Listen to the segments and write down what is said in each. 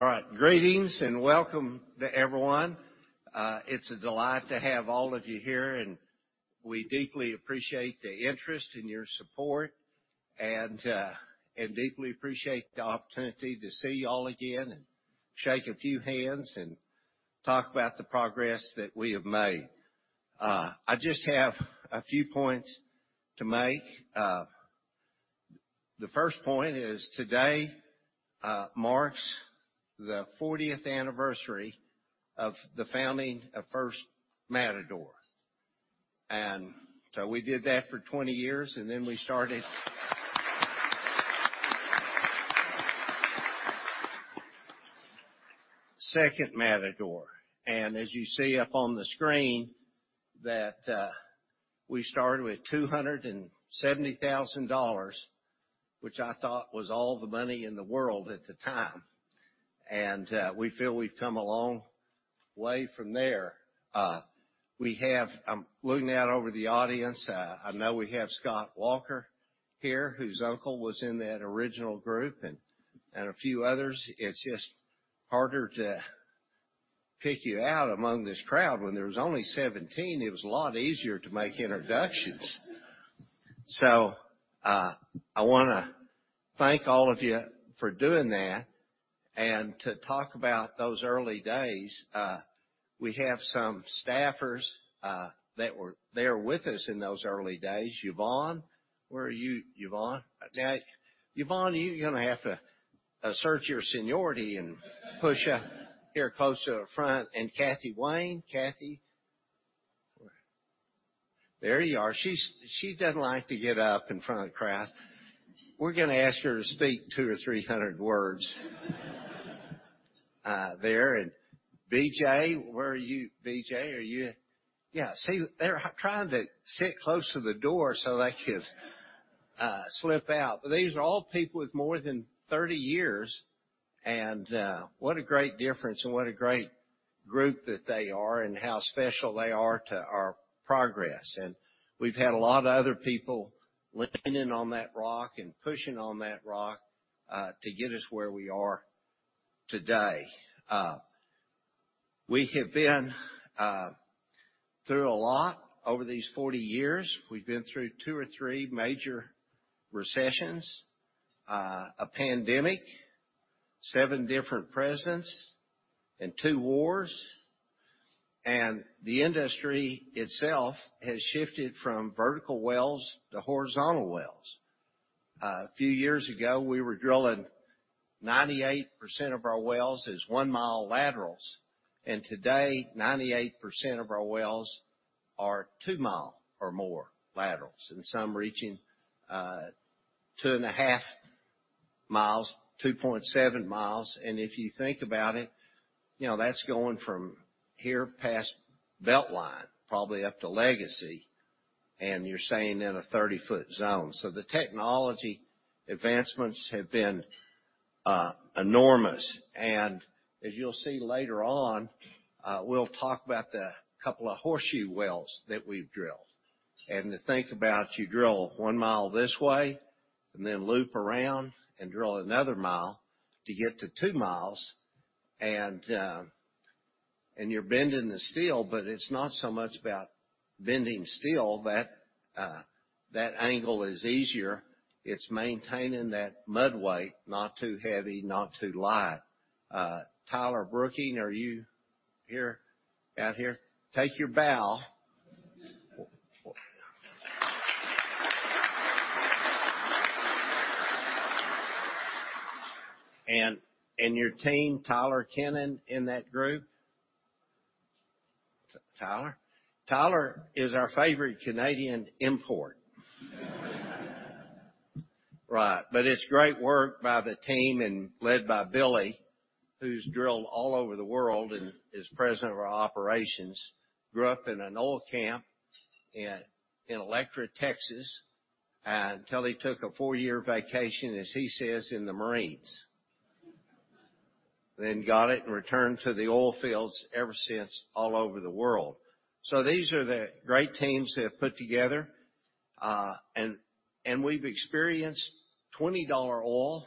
All right. Greetings, and welcome to everyone. It's a delight to have all of you here, and we deeply appreciate the interest and your support, and deeply appreciate the opportunity to see you all again and shake a few hands, and talk about the progress that we have made. I just have a few points to make. The first point is, today, marks the 40th anniversary of the founding of First Matador. So we did that for 20 years, and then we started Second Matador. As you see up on the screen, that, we started with $270,000, which I thought was all the money in the world at the time. We feel we've come a long way from there. We have... I'm looking out over the audience, I know we have Scott Walker here, whose uncle was in that original group, and a few others. It's just harder to pick you out among this crowd. When there was only 17, it was a lot easier to make introductions. I wanna thank all of you for doing that. To talk about those early days, we have some staffers that were there with us in those early days. Yvonne, where are you, Yvonne? Now, Yvonne, you're gonna have to assert your seniority and push up here close to the front. Kathy Wayne. Kathy? There you are. She doesn't like to get up in front of the crowd. We're gonna ask her to speak 200 or 300 words there. BJ, where are you? Yeah, see, they're trying to sit close to the door so they could slip out. These are all people with more than 30 years, and what a great difference and what a great group that they are, and how special they are to our progress. We've had a lot of other people leaning on that rock and pushing on that rock to get us where we are today. We have been through a lot over these 40 years. We've been through 2 or 3 major recessions, a pandemic, 7 different presidents, and 2 wars, and the industry itself has shifted from vertical wells to horizontal wells. A few years ago, we were drilling 98% of our wells as 1-mile laterals, today, 98% of our wells are 2-mile or more laterals, some reaching 2.5 miles, 2.7 miles. If you think about it, you know, that's going from here past BeltLine, probably up to Legacy, and you're saying in a 30-foot zone. The technology advancements have been enormous. As you'll see later on, we'll talk about the couple of horseshoe wells that we've drilled. To think about, you drill 1 mile this way, then loop around and drill another mile to get to 2 miles, and you're bending the steel, but it's not so much about bending steel, but that angle is easier. It's maintaining that mud weight, not too heavy, not too light. Tyler Bruecher, are you here? Out here. Take your bow. Your team, Tyler Kennon, in that group? Tyler? Tyler is our favorite Canadian import. Right. It's great work by the team and led by Billy, who's drilled all over the world and is President of our operations, grew up in an oil camp in Electra, Texas, until he took a 4-year vacation, as he says, in the Marines. Got it and returned to the oil fields ever since, all over the world. These are the great teams they have put together, and we've experienced $20 oil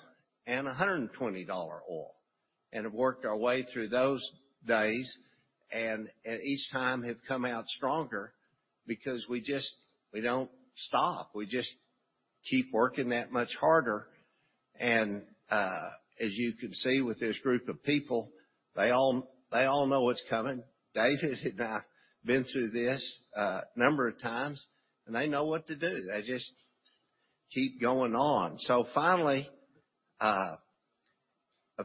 and $120 oil, and have worked our way through those days, and each time have come out stronger because we don't stop. We just keep working that much harder. As you can see with this group of people, they all know what's coming. David and I have been through this a number of times, and they know what to do. They just keep going on. Finally, a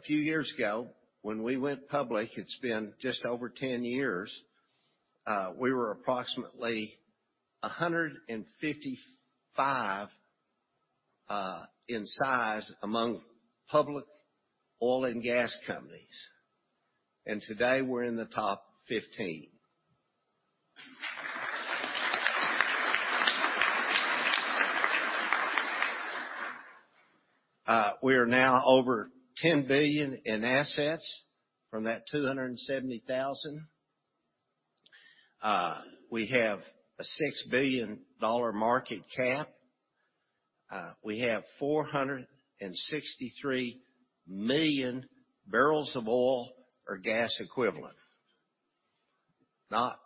few years ago, when we went public, it's been just over 10 years, we were approximately 155 in size among public oil and gas companies, and today, we're in the top 15. We are now over $10 billion in assets from that $270,000. We have a $6 billion market cap. We have 463 million barrels of oil or gas equivalent. Not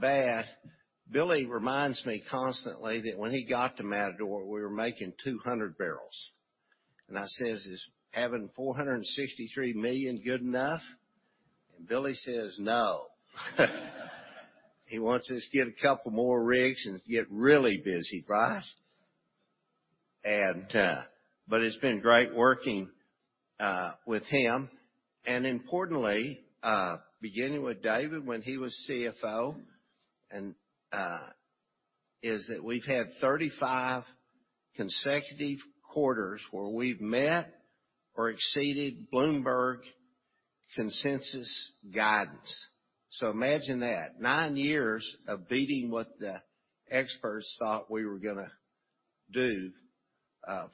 bad. Billy reminds me constantly that when he got to Matador, we were making 200 barrels. I says, "Is having $463 million good enough?" Billy says, "No." He wants us to get a couple more rigs and get really busy, right? But it's been great working with him. Importantly, beginning with David when he was CFO, is that we've had 35 consecutive quarters where we've met or exceeded Bloomberg consensus guidance. Imagine that, 9 years of beating what the experts thought we were gonna do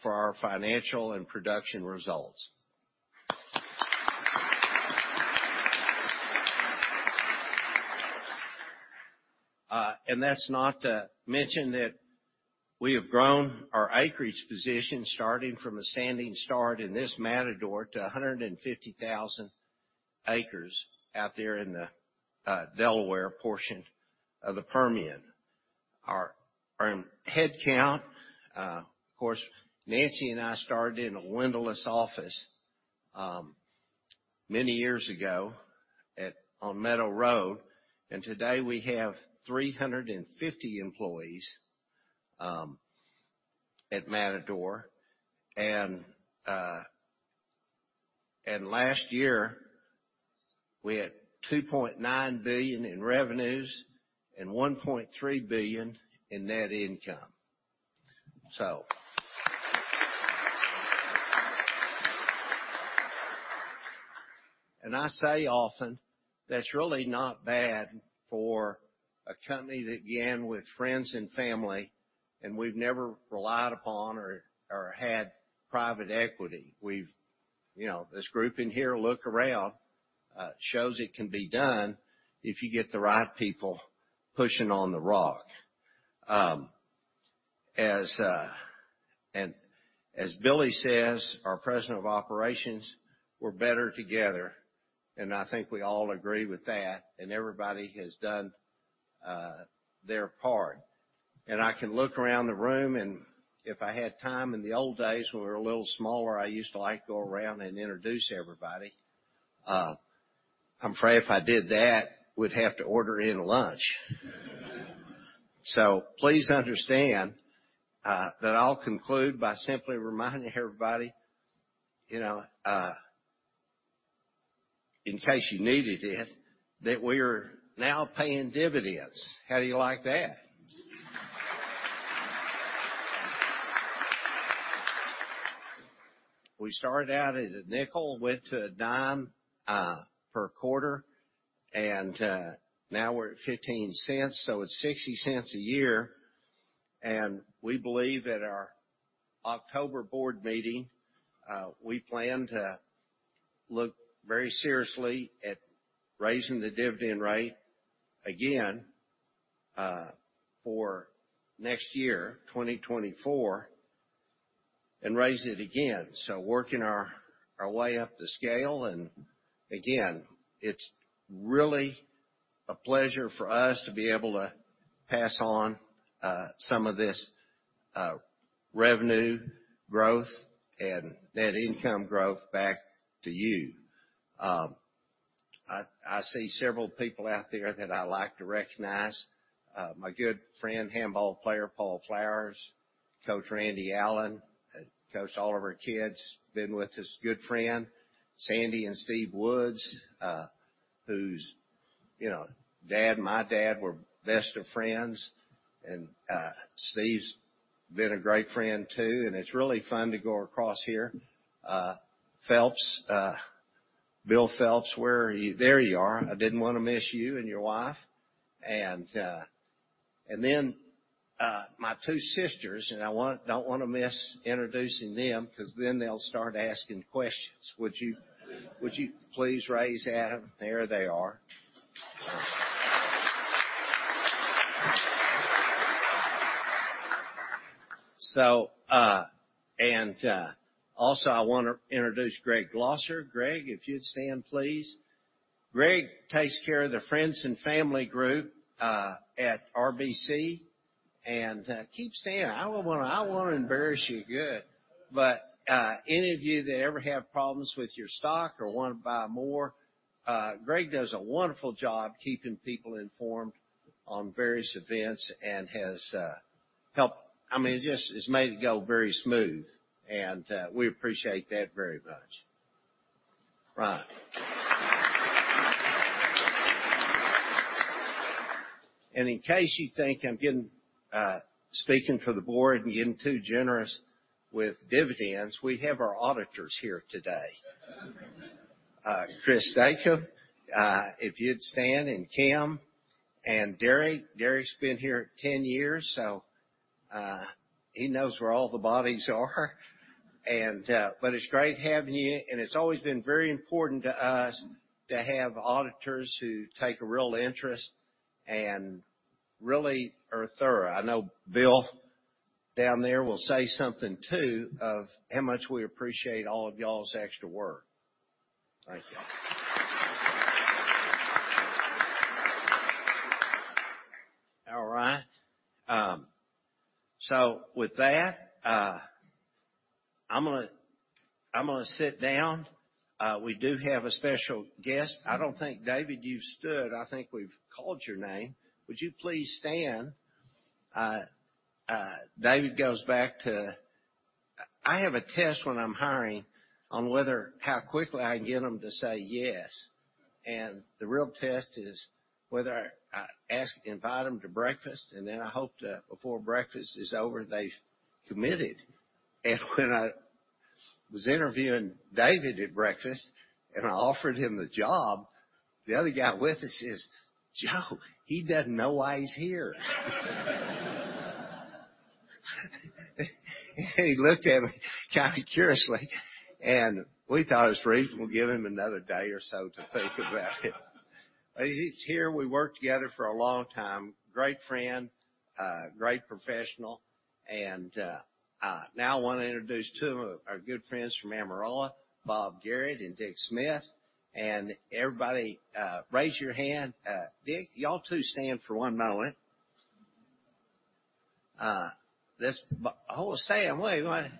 for our financial and production results. That's not to mention that we have grown our acreage position, starting from a standing start in this Matador to 150,000 acres out there in the Delaware portion of the Permian. Our headcount, of course, Nancy and I started in a windowless office, many years ago on Meadow Road, today we have 350 employees at Matador. Last year, we had $2.9 billion in revenues and $1.3 billion in net income. I say often, that's really not bad for a company that began with friends and family, we've never relied upon or had private equity. You know, this group in here, look around, shows it can be done if you get the right people pushing on the rock. As Billy says, our President of Operations, "We're better together," I think we all agree with that, everybody has done their part. I can look around the room, and if I had time in the old days when we were a little smaller, I used to like to go around and introduce everybody. I'm afraid if I did that, we'd have to order in lunch. Please understand that I'll conclude by simply reminding everybody, you know, in case you needed it, that we're now paying dividends. How do you like that? We started out at a nickel, went to a dime per quarter, and now we're at $0.15, so it's $0.60 a year. We believe at our October board meeting, we plan to look very seriously at raising the dividend rate again for next year, 2024, and raise it again. Working our way up the scale, it's really a pleasure for us to be able to pass on some of this revenue growth and net income growth back to you. I see several people out there that I'd like to recognize. My good friend, handball player, Paul Flawn, Coach Randy Allen, Coach Oliver Kids, been with us, good friend. Sandy and Steve Woods, whose, you know, dad and my dad were best of friends, and Steve's been a great friend, too, and it's really fun to go across here. Phelps, Bill Phelps, where are you? There you are. I didn't wanna miss you and your wife. My two sisters, I don't wanna miss introducing them because then they'll start asking questions. Would you please raise, Adam? There they are. Also, I wanna introduce Gregg Glasser. Greg, if you'd stand, please. Greg takes care of the friends and family group at RBC, keep standing. I wanna embarrass you good. Any of you that ever have problems with your stock or wanna buy more, Greg does a wonderful job keeping people informed on various events and has helped... I mean, it just, it's made it go very smooth, we appreciate that very much. Right. In case you think I'm getting speaking for the board and getting too generous with dividends, we have our auditors here today. Chris Daker, if you'd stand, and Kim and Derek. Derek's been here 10 years. He knows where all the bodies are. But it's great having you, and it's always been very important to us to have auditors who take a real interest and really are thorough. I know Bill, down there, will say something, too, of how much we appreciate all of y'all's extra work. Thank you. All right. So with that, I'm gonna sit down. We do have a special guest. I don't think, David, you've stood. I think we've called your name. Would you please stand? David goes back to. I have a test when I'm hiring on whether how quickly I can get him to say yes, and the real test is whether I ask, invite him to breakfast, and then I hope that before breakfast is over, they've committed. When I was interviewing David at breakfast, and I offered him the job, the other guy with us says, "Joe, he doesn't know why he's here." He looked at me kind of curiously. We thought it was reasonable, give him another day or so to think about it. He's here. We worked together for a long time. Great friend, great professional, now I wanna introduce two of our good friends from Amarillo, Bob Garrett and Dick Smith. Everybody, raise your hand. Dick, y'all two stand for one moment. Oh, Sam, wait a minute.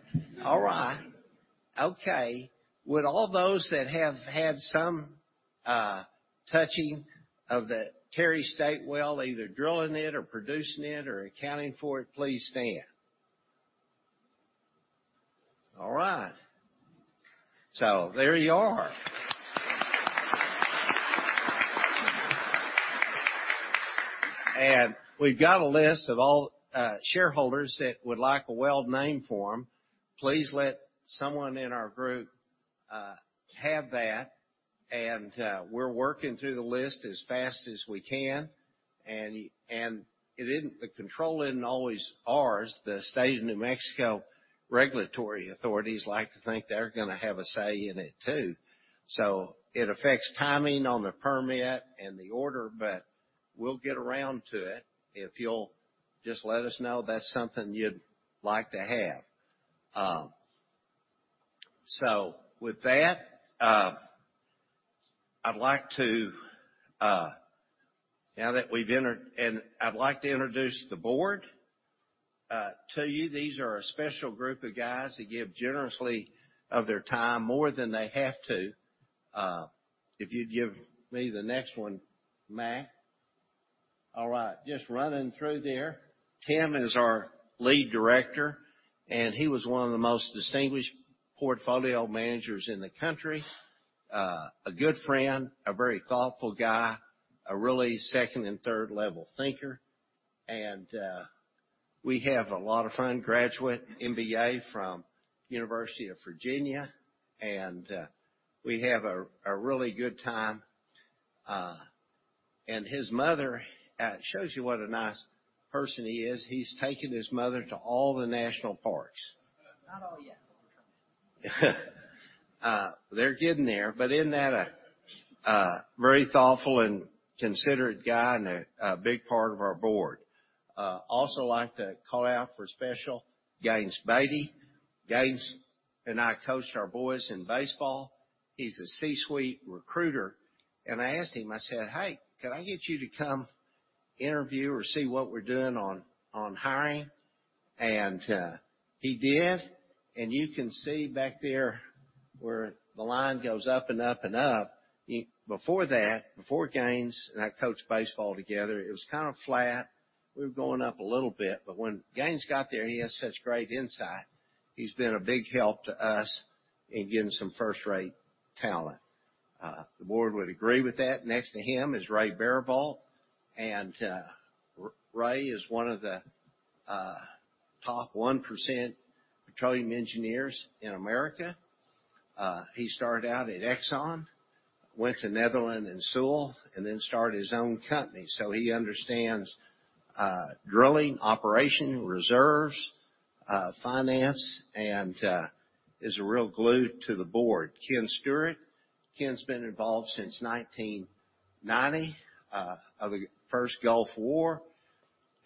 All right. Okay. Would all those that have had some touching of the Terry State well, either drilling it or producing it or accounting for it, please stand. All right, there you are. We've got a list of all shareholders that would like a well name form. Please let someone in our group have that. We're working through the list as fast as we can. The control isn't always ours. The State of New Mexico regulatory authorities like to think they're gonna have a say in it, too. It affects timing on the permit and the order, but we'll get around to it if you'll just let us know that's something you'd like to have. With that, I'd like to introduce the Board to you. These are a special group of guys that give generously of their time, more than they have to. If you'd give me the next one, Mack. All right, just running through there. Tim is our Lead Director, and he was one of the most distinguished portfolio managers in the country. A good friend, a very thoughtful guy, a really second and third-level thinker, and we have a lot of fun, graduate MBA from University of Virginia, and we have a really good time. His mother, shows you what a nice person he is, he's taken his mother to all the national parks. Not all yet. They're getting there, but in that, a very thoughtful and considerate guy and a big part of our board. Also like to call out for special, Gaines Beatty. Gaines and I coached our boys in baseball. He's a C-suite recruiter, and I asked him, I said, "Hey, can I get you to come interview or see what we're doing on hiring?" He did, and you can see back there where the line goes up and up and up. Before that, before Gaines and I coached baseball together, it was kind of flat. We were going up a little bit, but when Gaines got there, he has such great insight. He's been a big help to us in getting some first-rate talent. The board would agree with that. Next to him is Ray Baribault, Ray is one of the top 1% petroleum engineers in America. He started out at Exxon, went to Netherland and Sewell, started his own company. He understands drilling, operation, reserves, finance, is a real glue to the board. Ken Stewart. Ken's been involved since 1990 of the First Gulf War,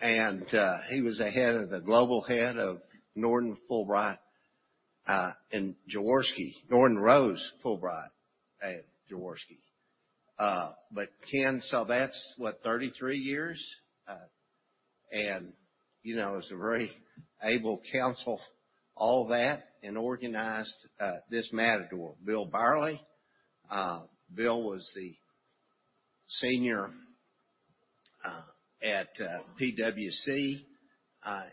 he was the head of the global head of Norton Rose Fulbright & Jaworski. Ken, that's what, 33 years? you know, is a very able counsel, all that, organized this Matador. Bill Byerley. Bill was the senior at PwC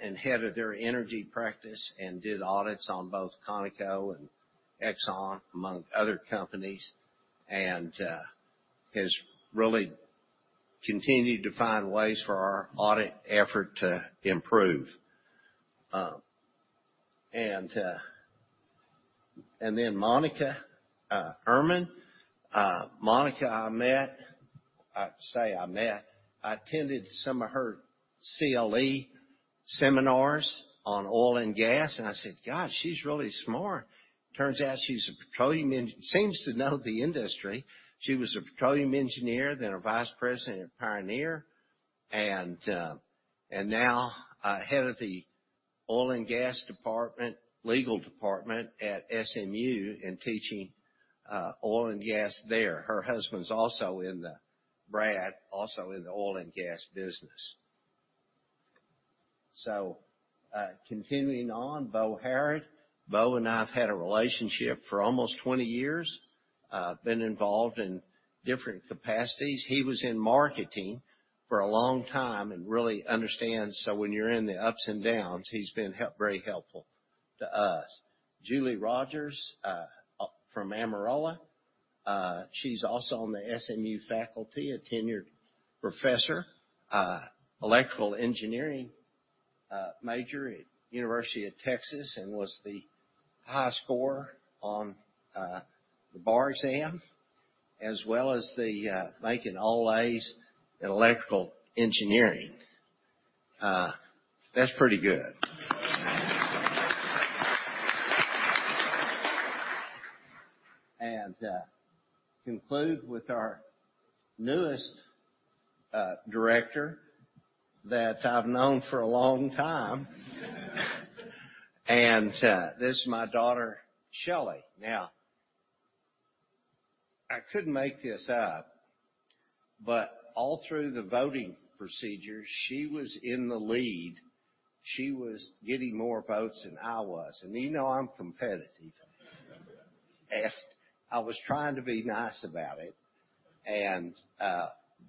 and head of their energy practice and did audits on both Conoco and Exxon, among other companies, and has really continued to find ways for our audit effort to improve. Then Monika Ehrman. Monika, I met, I say I met, I attended some of her CLE seminars on oil and gas, and I said, "God, she's really smart." Turns out she's a petroleum eng-- seems to know the industry. She was a petroleum engineer, then a vice president at Pioneer, and now head of the oil and gas department, legal department at SMU, and teaching oil and gas there. Her husband's also Brad, also in the oil and gas business. Continuing on, Bo Harrell. Bo and I have had a relationship for almost twenty years, uh, been involved in different capacities. He was in marketing for a long time and really understands, so when you're in the ups and downs, he's been help-- very helpful to us. Julie Rogers, uh, uh, from Amarillo. Uh, she's also on the SMU faculty, a tenured professor, uh, electrical engineering, uh, major at University of Texas, and was the high scorer on, uh, the bar exam, as well as the, uh, making all A's in electrical engineering. Uh, that's pretty good. And, uh, conclude with our newest, uh, director that I've known for a long time. And, uh, this is my daughter, Shelly. Now, I couldn't make this up, but all through the voting procedure, she was in the lead. She was getting more votes than I was, and you know I'm competitive. I was trying to be nice about it, and,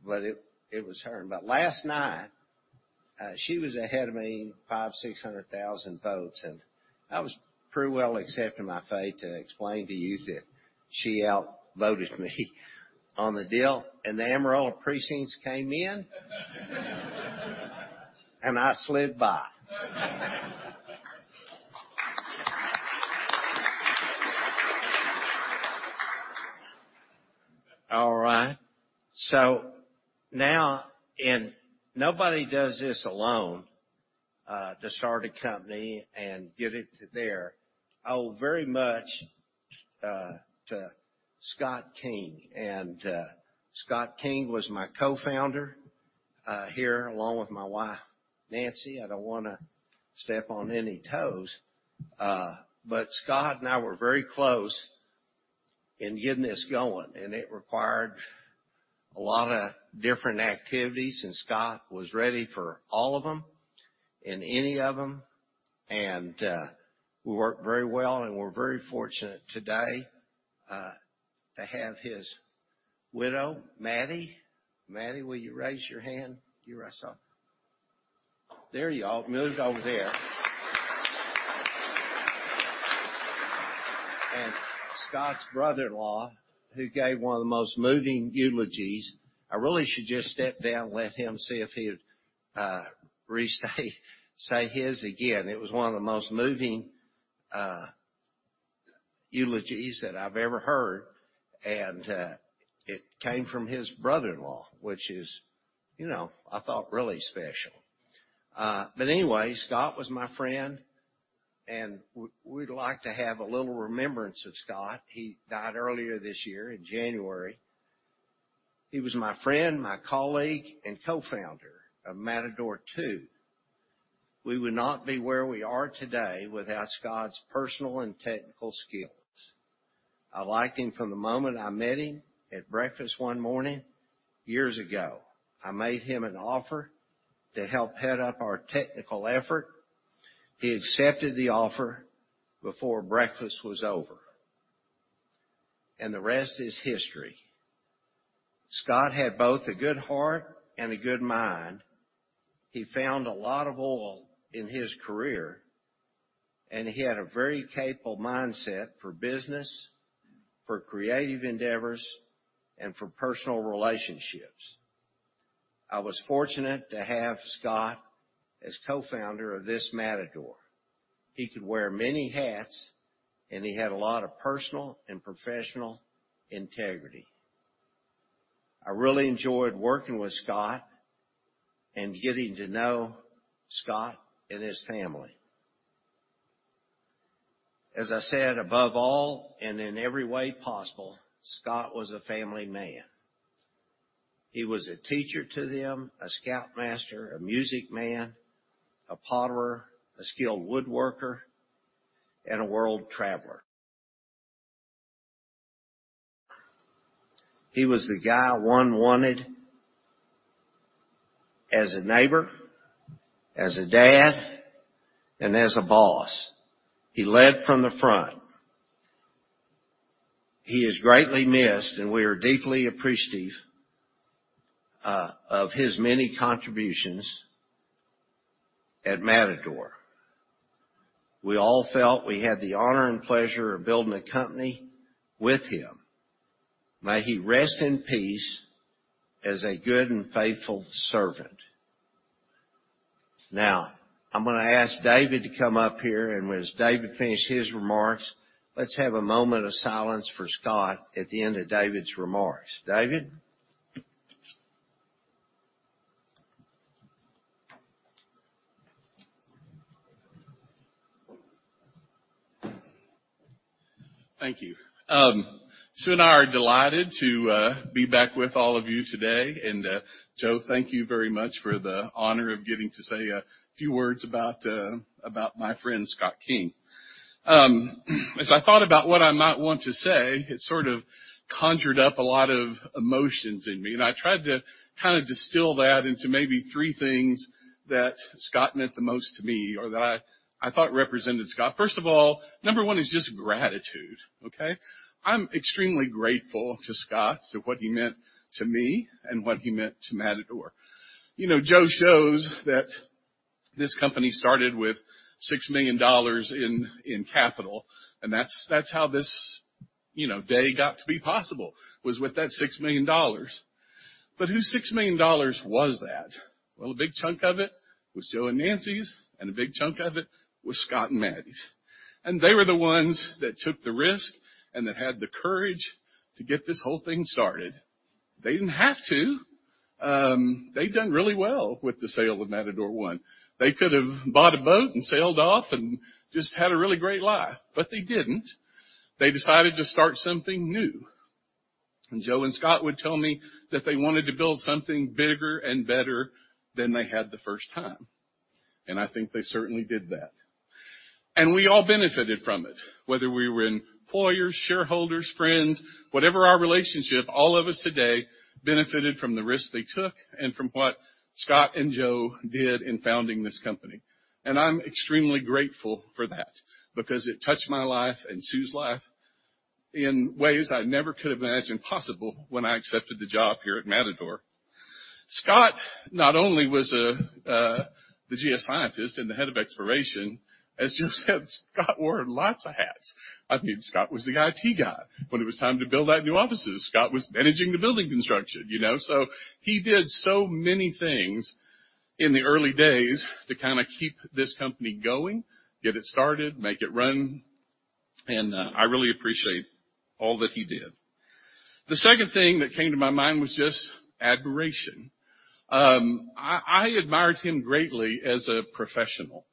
but it was her. Last night, she was ahead of me 5, 600,000 votes, and I was pretty well accepting my fate to explain to you that she outvoted me on the deal, and the Amarillo precincts came in, and I slid by. All right. Now, and nobody does this alone, to start a company and get it to there. I owe very much, to Scott King, and, Scott King was my co-founder, here, along with my wife, Nancy. I don't wanna step on any toes, but Scott and I were very close in getting this going, and it required a lot of different activities, and Scott was ready for all of them, and any of them, and we worked very well, and we're very fortunate today to have his widow, Maddie. Maddie, will you raise your hand? You raise up. There you are. Maddie's over there. Scott's brother-in-law, who gave one of the most moving eulogies. I really should just step down and let him see if he would restate, say his again. It was one of the most moving eulogies that I've ever heard, and it came from his brother-in-law, which is, you know, I thought, really special. Anyway, Scott was my friend, and we'd like to have a little remembrance of Scott. He died earlier this year, in January. He was my friend, my colleague, and co-founder of Matador Two. We would not be where we are today without Scott's personal and technical skills. I liked him from the moment I met him at breakfast one morning, years ago. I made him an offer to help head up our technical effort. He accepted the offer before breakfast was over, and the rest is history. Scott had both a good heart and a good mind. He found a lot of oil in his career, and he had a very capable mindset for business, for creative endeavors, and for personal relationships. I was fortunate to have Scott as co-founder of this Matador. He could wear many hats, and he had a lot of personal and professional integrity. I really enjoyed working with Scott and getting to know Scott and his family. As I said, above all, and in every way possible, Scott was a family man. He was a teacher to them, a scoutmaster, a music man, a potterer, a skilled woodworker, and a world traveler. He was the guy one wanted as a neighbor, as a dad, and as a boss. He led from the front. He is greatly missed, and we are deeply appreciative of his many contributions at Matador. We all felt we had the honor and pleasure of building a company with him. May he rest in peace as a good and faithful servant. I'm gonna ask David to come up here. As David finish his remarks, let's have a moment of silence for Scott at the end of David's remarks. David? Thank you. Sue and I are delighted to be back with all of you today. Joe, thank you very much for the honor of getting to say a few words about my friend, Scott King. As I thought about what I might want to say, it sort of conjured up a lot of emotions in me. I tried to kind of distill that into maybe three things that Scott meant the most to me or that I thought represented Scott. First of all, number one is just gratitude, okay? I'm extremely grateful to Scott, to what he meant to me and what he meant to Matador. You know, Joe shows that this company started with $6 million in capital, that's how this, you know, day got to be possible, was with that $6 million. Whose $6 million was that? Well, a big chunk of it was Joe and Nancy's, and a big chunk of it was Scott and Maddie's. They were the ones that took the risk and that had the courage to get this whole thing started. They didn't have to. They'd done really well with the sale of Matador One. They could have bought a boat and sailed off and just had a really great life, but they didn't. They decided to start something new. Joe and Scott would tell me that they wanted to build something bigger and better than they had the first time, and I think they certainly did that. We all benefited from it, whether we were employers, shareholders, friends, whatever our relationship, all of us today benefited from the risk they took and from what Scott and Joe did in founding this company. I'm extremely grateful for that because it touched my life and Sue's life in ways I never could have imagined possible when I accepted the job here at Matador. Scott not only was the geoscientist and the head of exploration, as Joe said, Scott wore lots of hats. I mean, Scott was the IT guy. When it was time to build out new offices, Scott was managing the building construction, you know? He did so many things in the early days to kinda keep this company going, get it started, make it run, I really appreciate all that he did. The second thing that came to my mind was just admiration. I admired him greatly as a professional.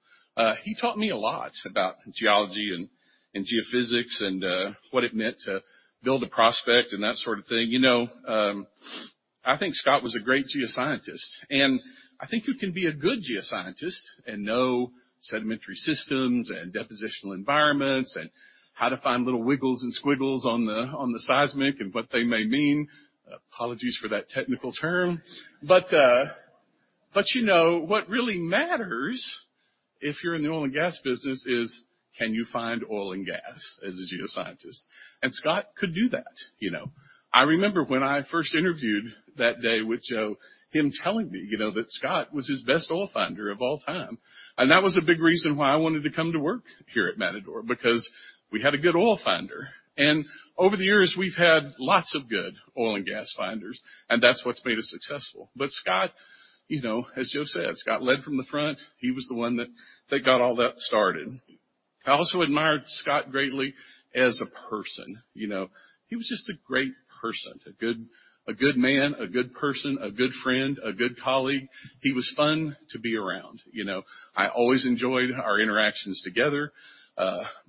He taught me a lot about geology and geophysics and what it meant to build a prospect and that sort of thing. You know, I think Scott was a great geoscientist, and I think you can be a good geoscientist and know sedimentary systems and depositional environments, and how to find little wiggles and squiggles on the, on the seismic and what they may mean. Apologies for that technical term. You know, what really matters if you're in the oil and gas business is, can you find oil and gas as a geoscientist? Scott could do that, you know. I remember when I first interviewed that day with Joe, him telling me, you know, that Scott was his best oil finder of all time, and that was a big reason why I wanted to come to work here at Matador, because we had a good oil finder. Over the years, we've had lots of good oil and gas finders, and that's what's made us successful. Scott, you know, as Joe said, Scott led from the front. He was the one that got all that started. I also admired Scott greatly as a person. You know, he was just a great person, a good man, a good person, a good friend, a good colleague. He was fun to be around. You know, I always enjoyed our interactions together,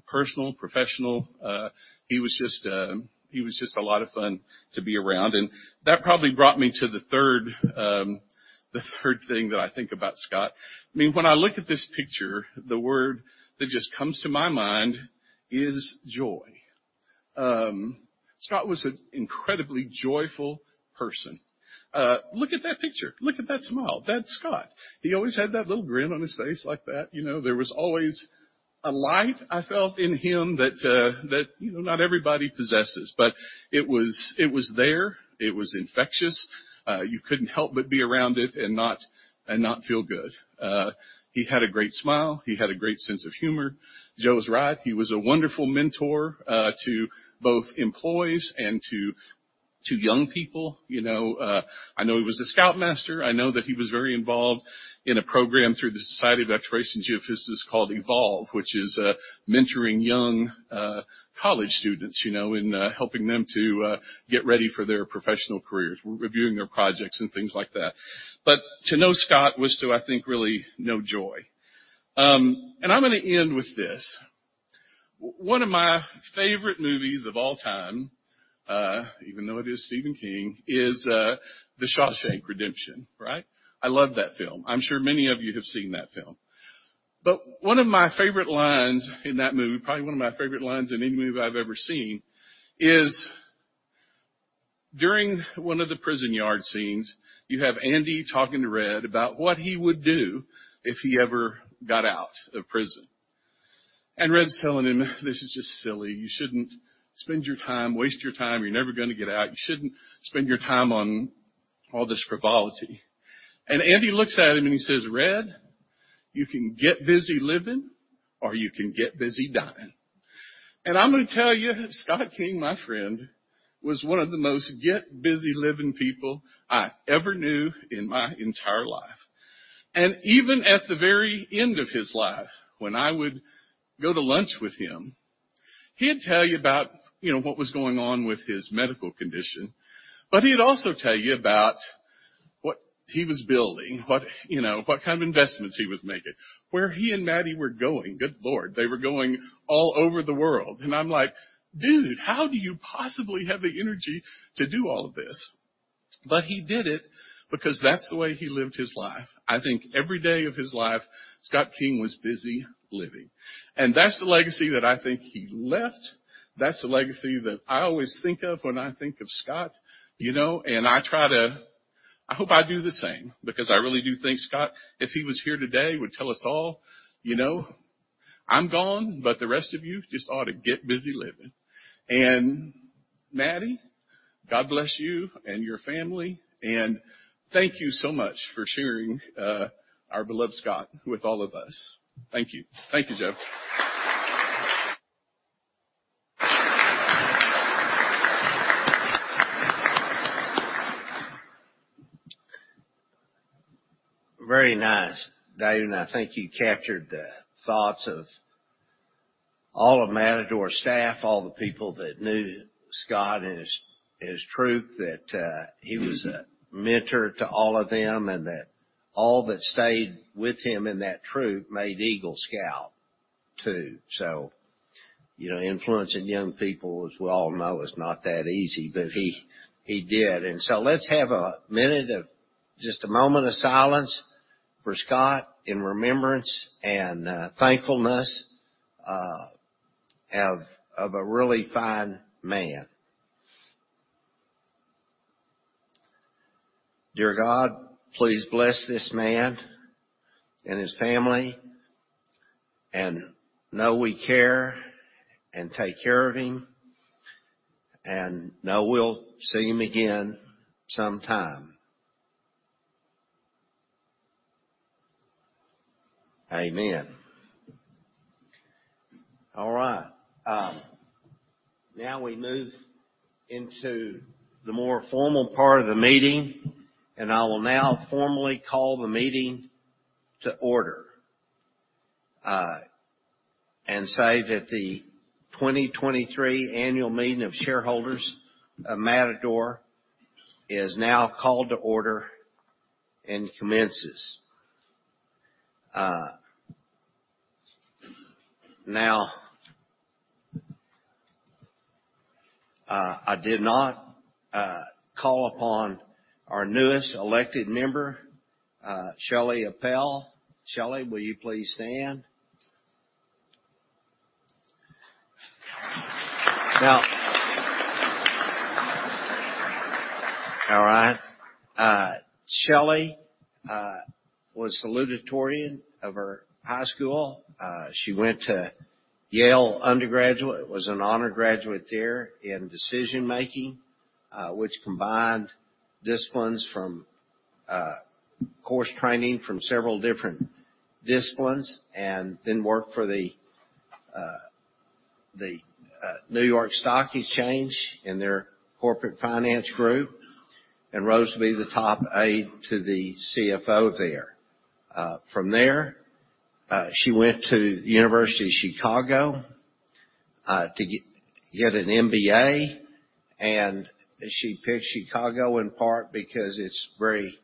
personal, professional, he was just a lot of fun to be around. That probably brought me to the third, the third thing that I think about Scott. I mean, when I look at this picture, the word that just comes to my mind is joy. Scott was an incredibly joyful person. Look at that picture. Look at that smile. That's Scott. He always had that little grin on his face like that. You know, there was always a light I felt in him that, you know, not everybody possesses, but it was there, it was infectious. You couldn't help but be around it and not feel good. He had a great smile. He had a great sense of humor. Joe was right. He was a wonderful mentor to both employees and to young people. You know, I know he was a Scoutmaster. I know that he was very involved in a program through the Society of Exploration Geophysicists called EVOLVE, which is mentoring young college students, you know, in helping them to get ready for their professional careers. We're reviewing their projects and things like that. To know Scott was to, I think, really know joy. I'm gonna end with this. One of my favorite movies of all time, even though it is Stephen King, is The Shawshank Redemption, right? I love that film. I'm sure many of you have seen that film. One of my favorite lines in that movie, probably one of my favorite lines in any movie I've ever seen, is during one of the prison yard scenes, you have Andy talking to Red about what he would do if he ever got out of prison. Red's telling him, "This is just silly. You shouldn't spend your time, waste your time. You're never gonna get out. You shouldn't spend your time on all this frivolity." Andy looks at him and he says, "Red, you can get busy living or you can get busy dying." I'm gonna tell you, Scott King, my friend, was one of the most get busy living people I ever knew in my entire life. Even at the very end of his life, when I would go to lunch with him, he'd tell you about, you know, what was going on with his medical condition, but he'd also tell you about what he was building, what, you know, what kind of investments he was making, where he and Maddie were going. Good Lord, they were going all over the world. I'm like, "Dude, how do you possibly have the energy to do all of this?" He did it because that's the way he lived his life. I think every day of his life, Scott King was busy living, and that's the legacy that I think he left. That's the legacy that I always think of when I think of Scott, you know? I hope I do the same, because I really do think Scott, if he was here today, would tell us all, "You know, I'm gone, but the rest of you just ought to get busy living." Maddie, God bless you and your family, and thank you so much for sharing our beloved Scott with all of us. Thank you. Thank you, Joe. Very nice, Dave. I think you captured the thoughts of all of Matador's staff, all the people that knew Scott and his troop, that he was a mentor to all of them, that all that stayed with him in that troop made Eagle Scout, too. You know, influencing young people, as we all know, is not that easy, but he did. Let's have just a moment of silence for Scott, in remembrance and thankfulness of a really fine man. Dear God, please bless this man and his family, know we care and take care of him, know we'll see him again sometime. Amen. All right, now we move into the more formal part of the meeting. I will now formally call the meeting to order, say that the 2023 annual meeting of shareholders of Matador is now called to order and commences. Now, I did not call upon our newest elected member, Shelley Appel. Shelley, will you please stand? Now. All right. Shelley was salutatorian of her high school. She went to Yale undergraduate, was an honor graduate there in decision-making, which combined disciplines from course training from several different disciplines, then worked for the New York Stock Exchange in their corporate finance group, rose to be the top aide to the CFO there. From there, she went to University of Chicago to get an MBA. She picked Chicago in part because it's very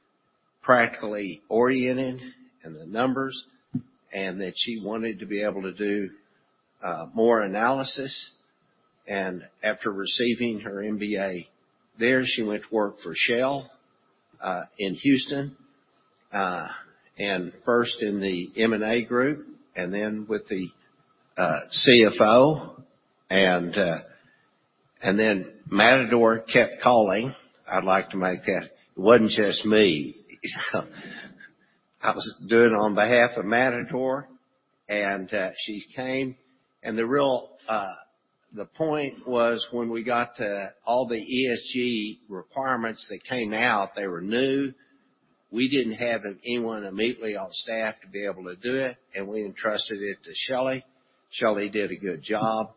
practically oriented in the numbers, she wanted to be able to do more analysis. After receiving her MBA there, she went to work for Shell in Houston, first in the M&A group and then with the CFO, then Matador kept calling. It wasn't just me. I was doing it on behalf of Matador. She came. The real point was when we got to all the ESG requirements that came out, they were new. We didn't have anyone immediately on staff to be able to do it. We entrusted it to Shelly. Shelly did a good job.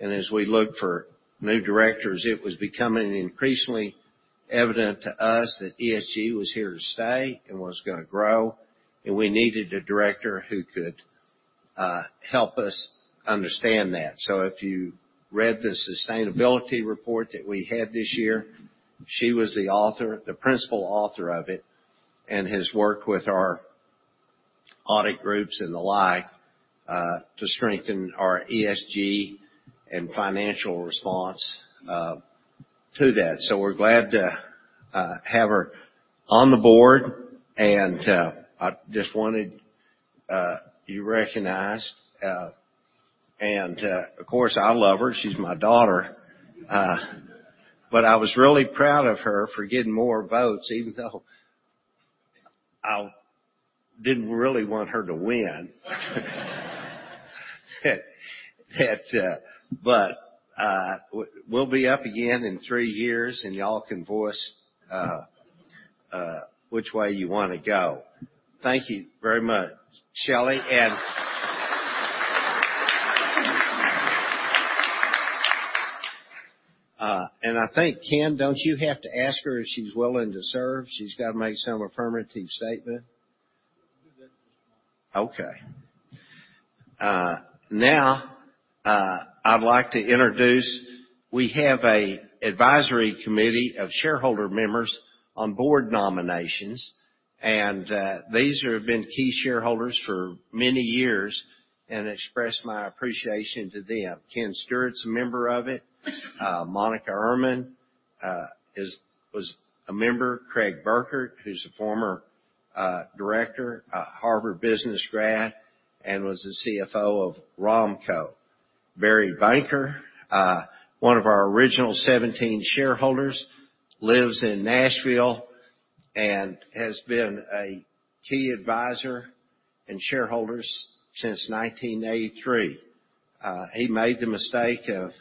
As we looked for new directors, it was becoming increasingly evident to us that ESG was here to stay and was gonna grow, we needed a director who could help us understand that. If you read the sustainability report that we had this year, she was the author, the principal author of it, has worked with our audit groups and the like to strengthen our ESG and financial response to that. We're glad to have her on the board. I just wanted you recognized. Of course, I love her. She's my daughter. I was really proud of her for getting more votes, even though I didn't really want her to win. we'll be up again in three years, and y'all can voice your which way you wanna go. Thank you very much, Shelly. I think, Ken, don't you have to ask her if she's willing to serve? She's got to make some affirmative statement. You bet. Okay. Now, I'd like to introduce we have a advisory committee of shareholder members on board nominations, and these have been key shareholders for many years, and express my appreciation to them. Ken Stewart's a member of it. Monika Ehrman was a member. Craig Burkert, who's a former Director, a Harvard Business grad, and was the CFO of Ramco. Barry Banker, one of our original 17 shareholders, lives in Nashville and has been a key advisor and shareholder since 1983. He made the mistake of.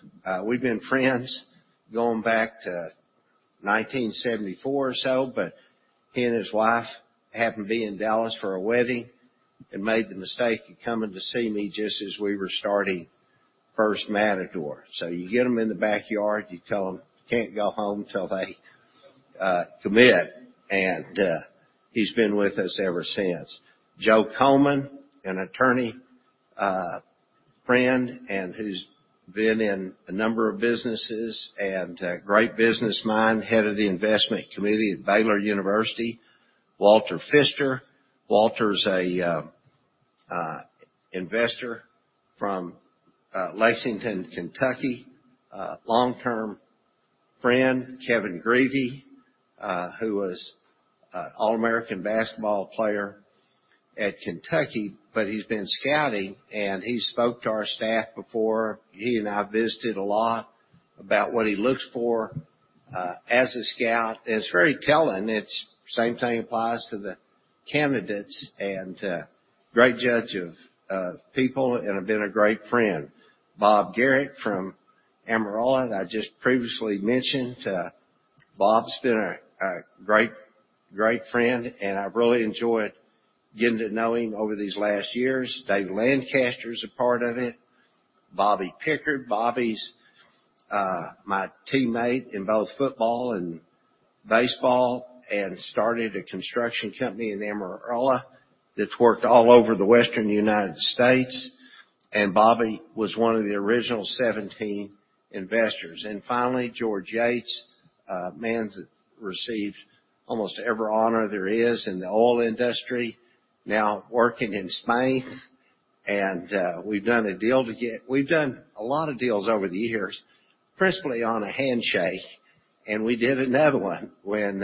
We've been friends going back to 1974 or so, but he and his wife happened to be in Dallas for a wedding and made the mistake of coming to see me just as we were starting First Matador. You get them in the backyard, you tell them, "Can't go home till they commit." He's been with us ever since. Joe Coleman, an attorney, friend, and who's been in a number of businesses, and a great businessman, head of the investment committee at Baylor University. Walter Feister. Walter's a investor from Lexington, Kentucky, long-term friend. Kevin Grevey, who was an All-American basketball player at Kentucky, but he's been scouting, and he spoke to our staff before. He and I visited a lot about what he looks for as a scout. It's very telling. It's same thing applies to the candidates and great judge of people and have been a great friend. Bob Garrett from Amarillo, that I just previously mentioned. Bob's been a great friend, and I've really enjoyed getting to know him over these last years. Dave Lancaster is a part of it. Bobby Pickard. Bobby's my teammate in both football and baseball and started a construction company in Amarillo that's worked all over the Western United States. Bobby was one of the original 17 investors. Finally, George Yates, a man that received almost every honor there is in the oil industry, now working in Spain. We've done a lot of deals over the years, principally on a handshake. We did another one when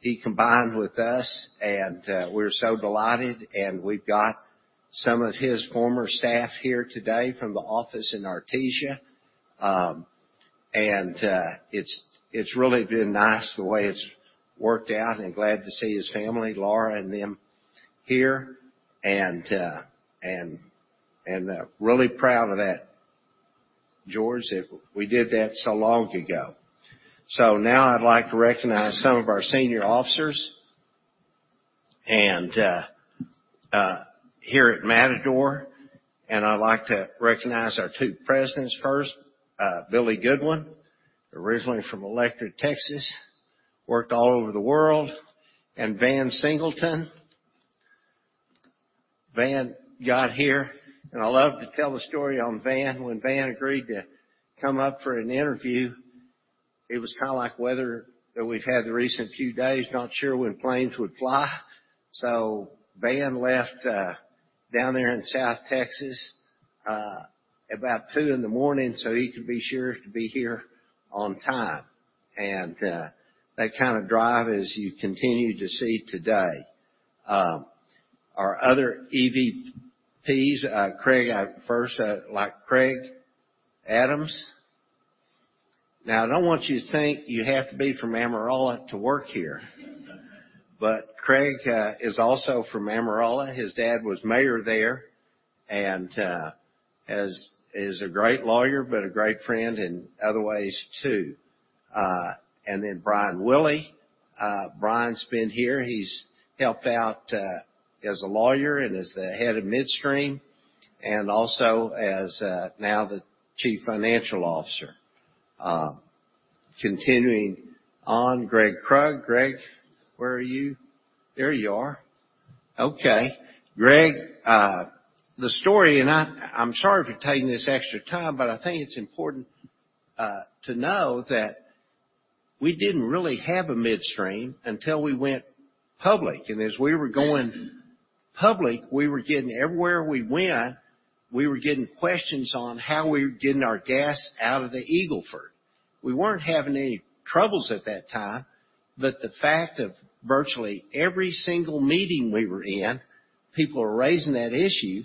he combined with us. We're so delighted. We've got some of his former staff here today from the office in Artesia. It's really been nice the way it's worked out, glad to see his family, Laura and them, here, really proud of that, George, that we did that so long ago. Now I'd like to recognize some of our senior officers here at Matador, I'd like to recognize our two presidents first. Billy Goodwin, originally from Electra, Texas, worked all over the world, Van Singleton. Van got here, I love to tell the story on Van. When Van agreed to come up for an interview, it was kinda like weather that we've had the recent few days, not sure when planes would fly. Van left down there in South Texas about 2:00 A.M., so he could be sure to be here on time. That kind of drive, as you continue to see today. Our other EVPs, Craig, I first like Craig Adams. Now, I don't want you to think you have to be from Amarillo to work here, but Craig is also from Amarillo. His dad was mayor there, and is a great lawyer, but a great friend in other ways, too. Bryan Willey. Brian's been here. He's helped out as a lawyer and as the head of Midstream, and also as now the Chief Financial Officer. Continuing on, Greg Krug. Greg, where are you? There you are. Okay. Greg, the story, and I'm sorry for taking this extra time, but I think it's important to know that we didn't really have a midstream until we went public. As we were going public, we were getting everywhere we went, we were getting questions on how we were getting our gas out of the Eagle Ford. We weren't having any troubles at that time, but the fact of virtually every single meeting we were in, people were raising that issue,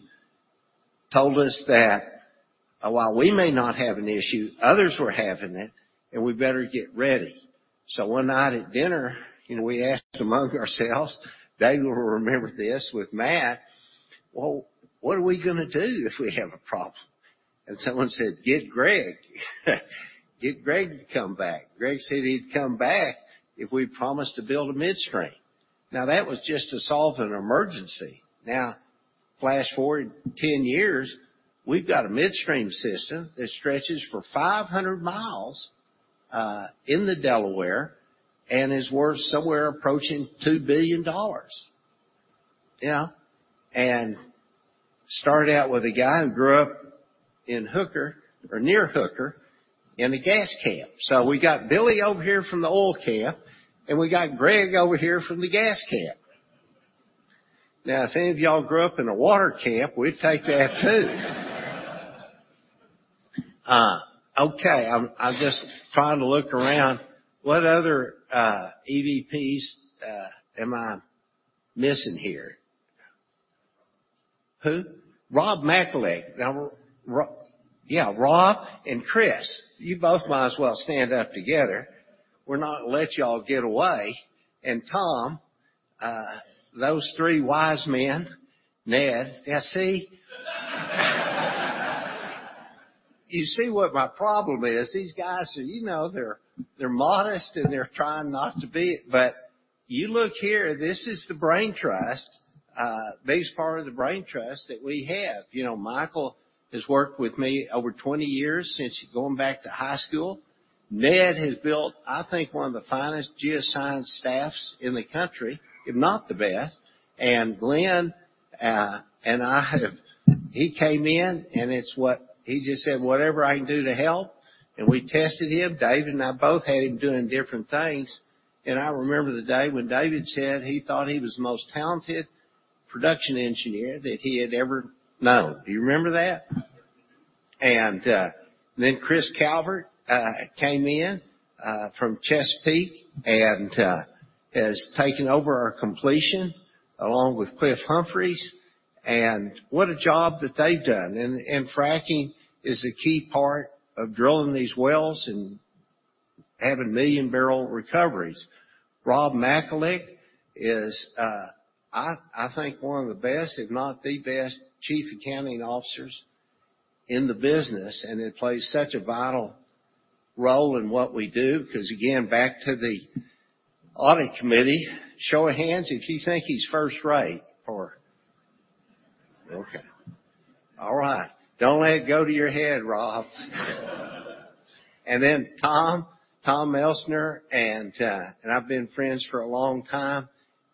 told us that while we may not have an issue, others were having it, and we better get ready. One night at dinner, you know, we asked among ourselves, Dave will remember this, with Matt: "Well, what are we gonna do if we have a problem?" Someone said, "Get Greg. Get Greg to come back." Greg said he'd come back if we promised to build a midstream. That was just to solve an emergency. Flash forward 10 years, we've got a midstream system that stretches for 500 miles in the Delaware and is worth somewhere approaching $2 billion. You know, started out with a guy who grew up in Hooker or near Hooker, in the gas camp. We got Billy over here from the oil camp, and we got Greg over here from the gas camp. If any of y'all grew up in a water camp, we'd take that too. Okay, I'm just trying to look around. What other EVPs am I missing here? Who? Rob MacAskie. Yeah, Rob and Chris, you both might as well stand up together. We're not let y'all get away. Tom, those 3 wise men, Ned. See, you see what my problem is. These guys, you know, they're modest, and they're trying not to be. You look here, this is the brain trust, biggest part of the brain trust that we have. You know, Michael has worked with me over 20 years, since going back to high school. Ned has built, I think, one of the finest geoscience staffs in the country, if not the best. Glenn, He came in, and it's what? He just said, "Whatever I can do to help," and we tested him. David and I both had him doing different things. I remember the day when David said he thought he was the most talented production engineer that he had ever known. Do you remember that? Then Chris Calvert came in from Chesapeake and has taken over our completion, along with Clif Humphreys, and what a job that they've done. Fracking is a key part of drilling these wells and having million barrel recoveries. Rob MacAskie is I think one of the best, if not the best, chief accounting officers in the business, and it plays such a vital role in what we do, because, again, back to the audit committee, show of hands, if you think he's first rate or... Okay. All right. Don't let it go to your head, Rob. Then Tom Elsener and I've been friends for a long time.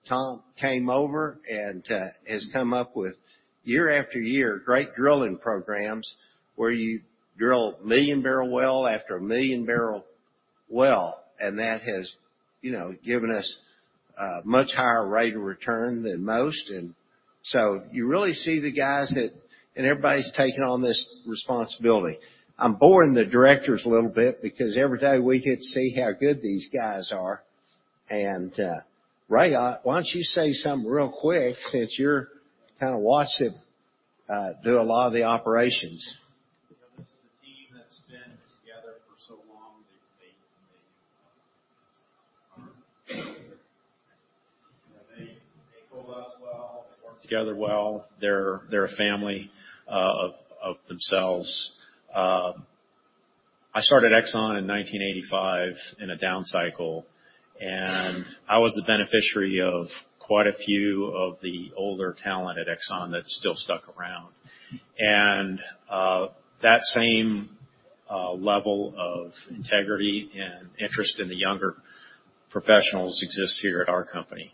Tom Elsener came over and has come up with, year after year, great drilling programs where you drill million-barrel well after a million-barrel well, that has, you know, given us a much higher rate of return than most. You really see the guys that... Everybody's taking on this responsibility. I'm boring the directors a little bit because every day we get to see how good these guys are. Reynald Baribault, why don't you say something real quick since you're kinda watching, do a lot of the operations? This is a team that's been together for so long that they pull us well, they work together well. They're a family of themselves. I started ExxonMobil in 1985 in a downcycle, I was the beneficiary of quite a few of the older talent at ExxonMobil that still stuck around. That same level of integrity and interest in the younger professionals exists here at our company.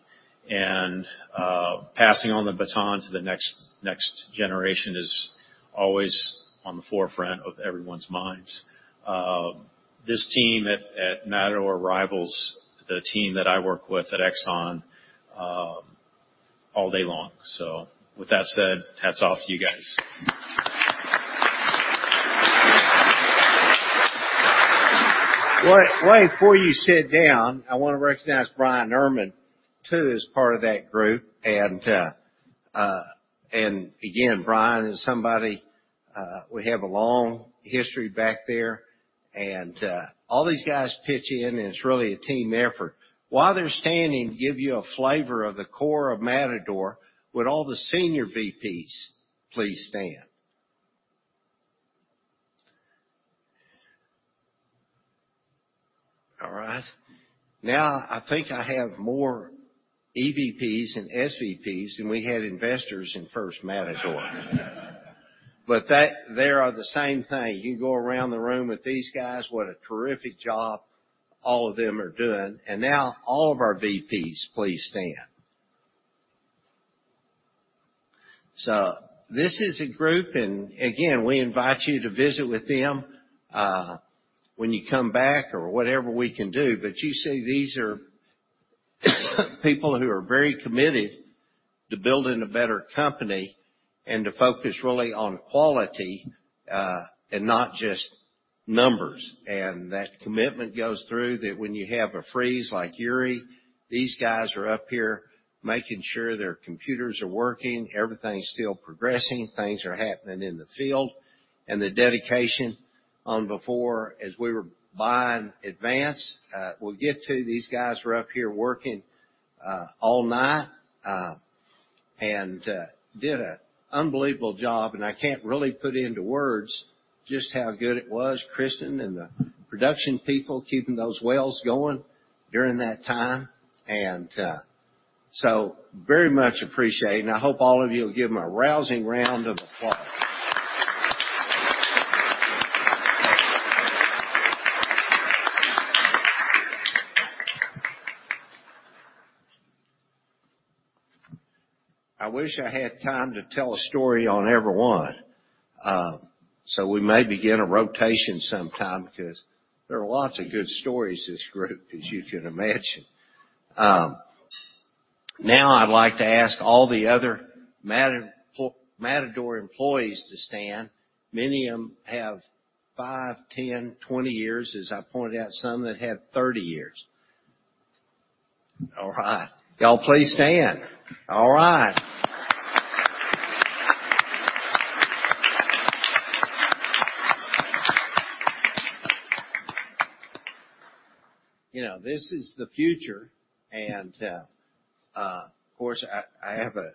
Passing on the baton to the next generation is always on the forefront of everyone's minds. This team at Matador rivals the team that I work with at ExxonMobil all day long. With that said, hats off to you guys. Wait, wait, before you sit down, I want to recognize Brian Erman, too, as part of that group. Again, Bryan is somebody, we have a long history back there, all these guys pitch in, and it's really a team effort. While they're standing, to give you a flavor of the core of Matador, would all the senior VPs please stand? All right. I think I have more EVPs and SVPs than we had investors in first Matador. That, they are the same thing. You can go around the room with these guys. What a terrific job all of them are doing. Now all of our VPs, please stand. This is a group, and again, we invite you to visit with them, when you come back or whatever we can do. You see, these are people who are very committed to building a better company and to focus really on quality and not just numbers. That commitment goes through that when you have a freeze like Uri, these guys are up here making sure their computers are working, everything's still progressing, things are happening in the field, and the dedication on before as we were buying Advance, we'll get to these guys were up here working all night and did an unbelievable job, and I can't really put into words just how good it was, Kirsten and the production people keeping those wells going during that time. Very much appreciated, and I hope all of you will give them a rousing round of applause. I wish I had time to tell a story on everyone. We may begin a rotation sometime because there are lots of good stories, this group, as you can imagine. Now I'd like to ask all the other Matador employees to stand. Many of them have 5, 10, 20 years, as I pointed out, some that had 30 years. All right, y'all please stand. All right. You know, this is the future, of course, I have a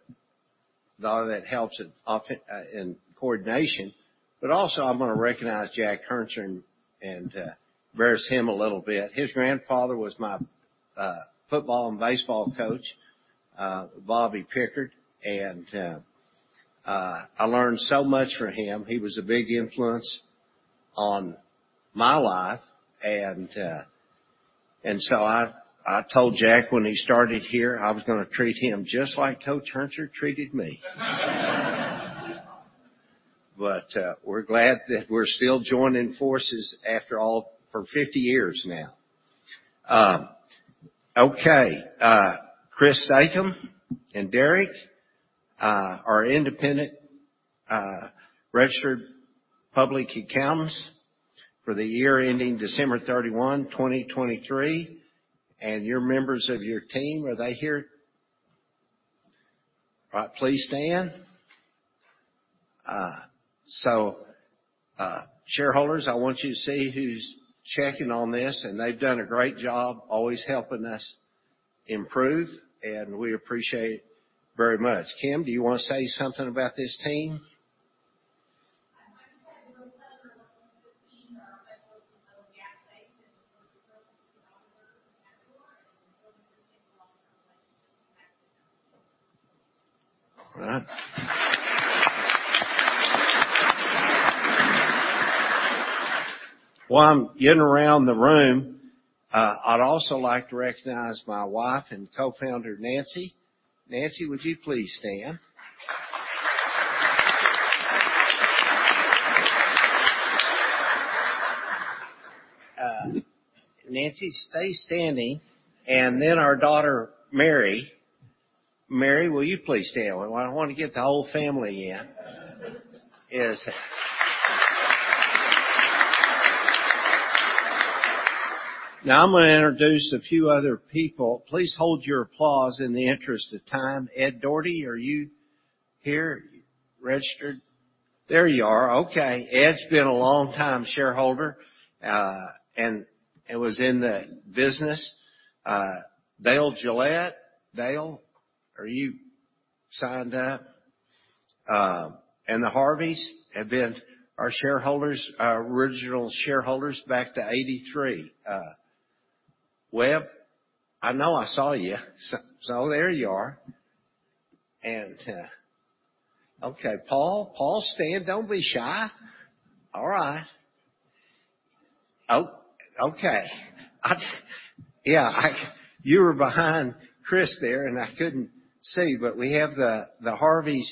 daughter that helps in often in coordination, but also I'm gonna recognize Jack Kancher and verse him a little bit. His grandfather was my football and baseball coach, Bobby Pickard, I learned so much from him. He was a big influence on my life, I told Jack when he started here, I was gonna treat him just like Coach Kerncher treated me. We're glad that we're still joining forces after all for 50 years now. Okay, Chris Stakem and Derek are independent, registered public accountants for the year ending December 31, 2023, and your members of your team, are they here? Please stand. Shareholders, I want you to see who's checking on this, and they've done a great job, always helping us improve, and we appreciate very much. Kim, do you want to say something about this team? I'd like to say, our best gas station. All right. While I'm getting around the room, I'd also like to recognize my wife and co-founder, Nancy. Nancy, would you please stand? Nancy, stay standing, and then our daughter, Mary. Mary, will you please stand? I wanna get the whole family in. Yes. Now, I'm gonna introduce a few other people. Please hold your applause in the interest of time. Ed Doherty, are you here, registered? There you are. Okay. Ed's been a long-time shareholder, and he was in the business. Dale Gillette. Dale, are you signed up? The Harveys have been our shareholders, our original shareholders, back to 83. Webb, I know I saw you, so there you are. Okay, Paul, stand. Don't be shy. All right. Oh, okay. You were behind Chris there, and I couldn't see, we have the Harveys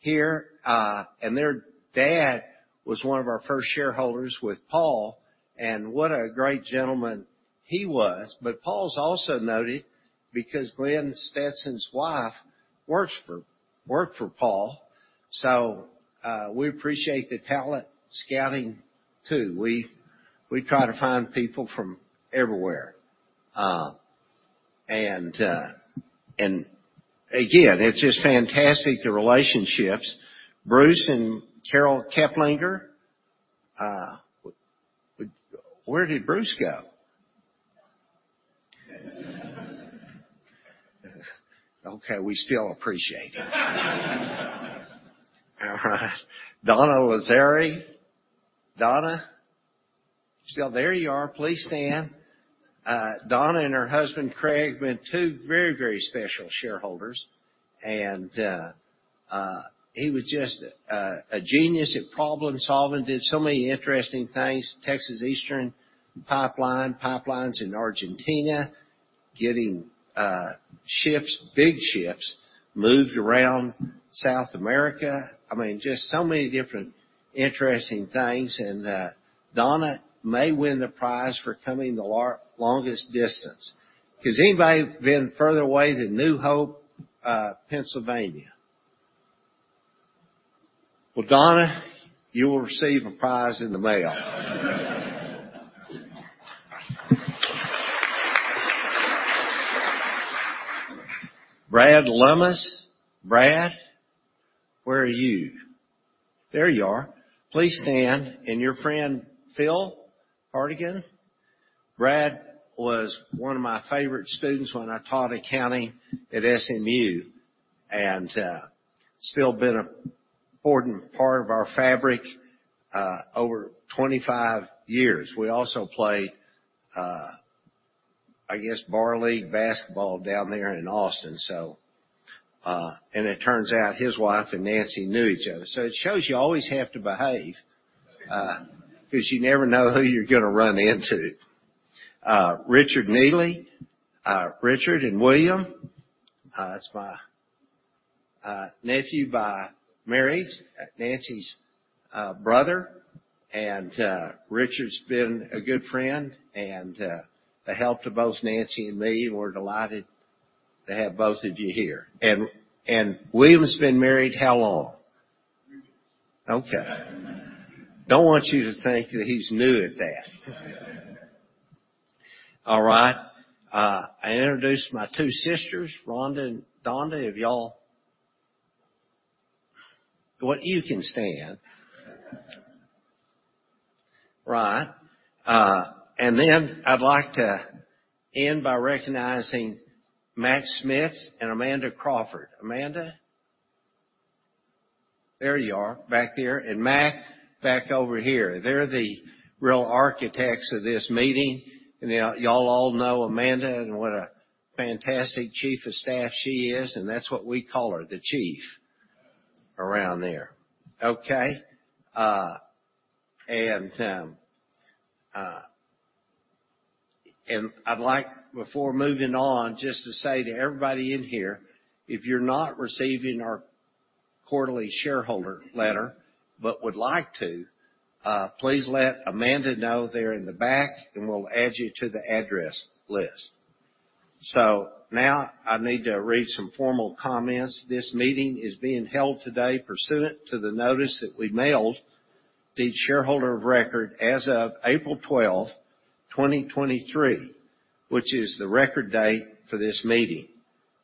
here, and their dad was one of our first shareholders with Paul, and what a great gentleman he was. Paul's also noted because Glenn Stetson's wife worked for Paul. We appreciate the talent scouting, too. We try to find people from everywhere. Again, it's just fantastic, the relationships. Bruce and Carol Keplinger. Where did Bruce go? We still appreciate it. Donna Lazari. Donna? Still there you are. Please stand. Donna and her husband, Craig, have been two very, very special shareholders, he was just a genius at problem-solving, did so many interesting things. Texas Eastern Transmission Corporation, pipelines in Argentina, getting ships, big ships, moved around South America. I mean, just so many different interesting things, Donna may win the prize for coming the longest distance. Has anybody been further away than New Hope, Pennsylvania? Donna, you will receive a prize in the mail. Brad Lummis. Brad? Where are you? There you are. Please stand, and your friend, Phil Hartigan. Brad was one of my favorite students when I taught accounting at SMU, still been an important part of our fabric, over 25 years. We also play, I guess, bar league basketball down there in Austin. It turns out his wife and Nancy knew each other. It shows you always have to behave, because you never know who you're gonna run into. Richard Neely. Richard and William, that's my nephew by marriage, Nancy's brother. Richard's been a good friend and, a help to both Nancy and me, and we're delighted to have both of you here. William's been married how long? Three years. Okay. Don't want you to think that he's new at that. All right. I introduced my two sisters, Rhonda and Donna. Well, you can stand. Right. I'd like to end by recognizing Mac Schmitz and Amanda Crawford. Amanda? There you are, back there, and Mack, back over here. They're the real architects of this meeting. You know, y'all all know Amanda and what a fantastic Chief of Staff she is, and that's what we call her, the Chief, around there. Okay. I'd like, before moving on, just to say to everybody in here, if you're not receiving our quarterly shareholder letter, but would like to, please let Amanda know there in the back, and we'll add you to the address list. Now I need to read some formal comments. This meeting is being held today pursuant to the notice that we mailed each shareholder of record as of April 12, 2023, which is the record date for this meeting.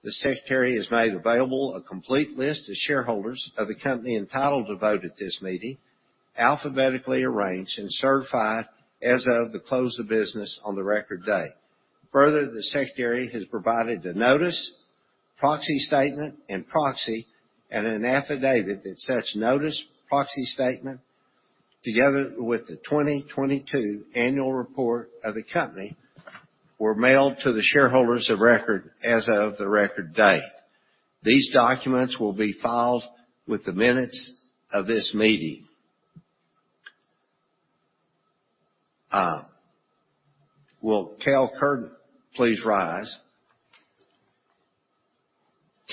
The secretary has made available a complete list of shareholders of the company entitled to vote at this meeting, alphabetically arranged and certified as of the close of business on the record date. Further, the secretary has provided the notice, proxy statement and proxy, and an affidavit that such notice, proxy statement, together with the 2022 annual report of the company, were mailed to the shareholders of record as of the record date. These documents will be filed with the minutes of this meeting. Will Cal Curtin please rise?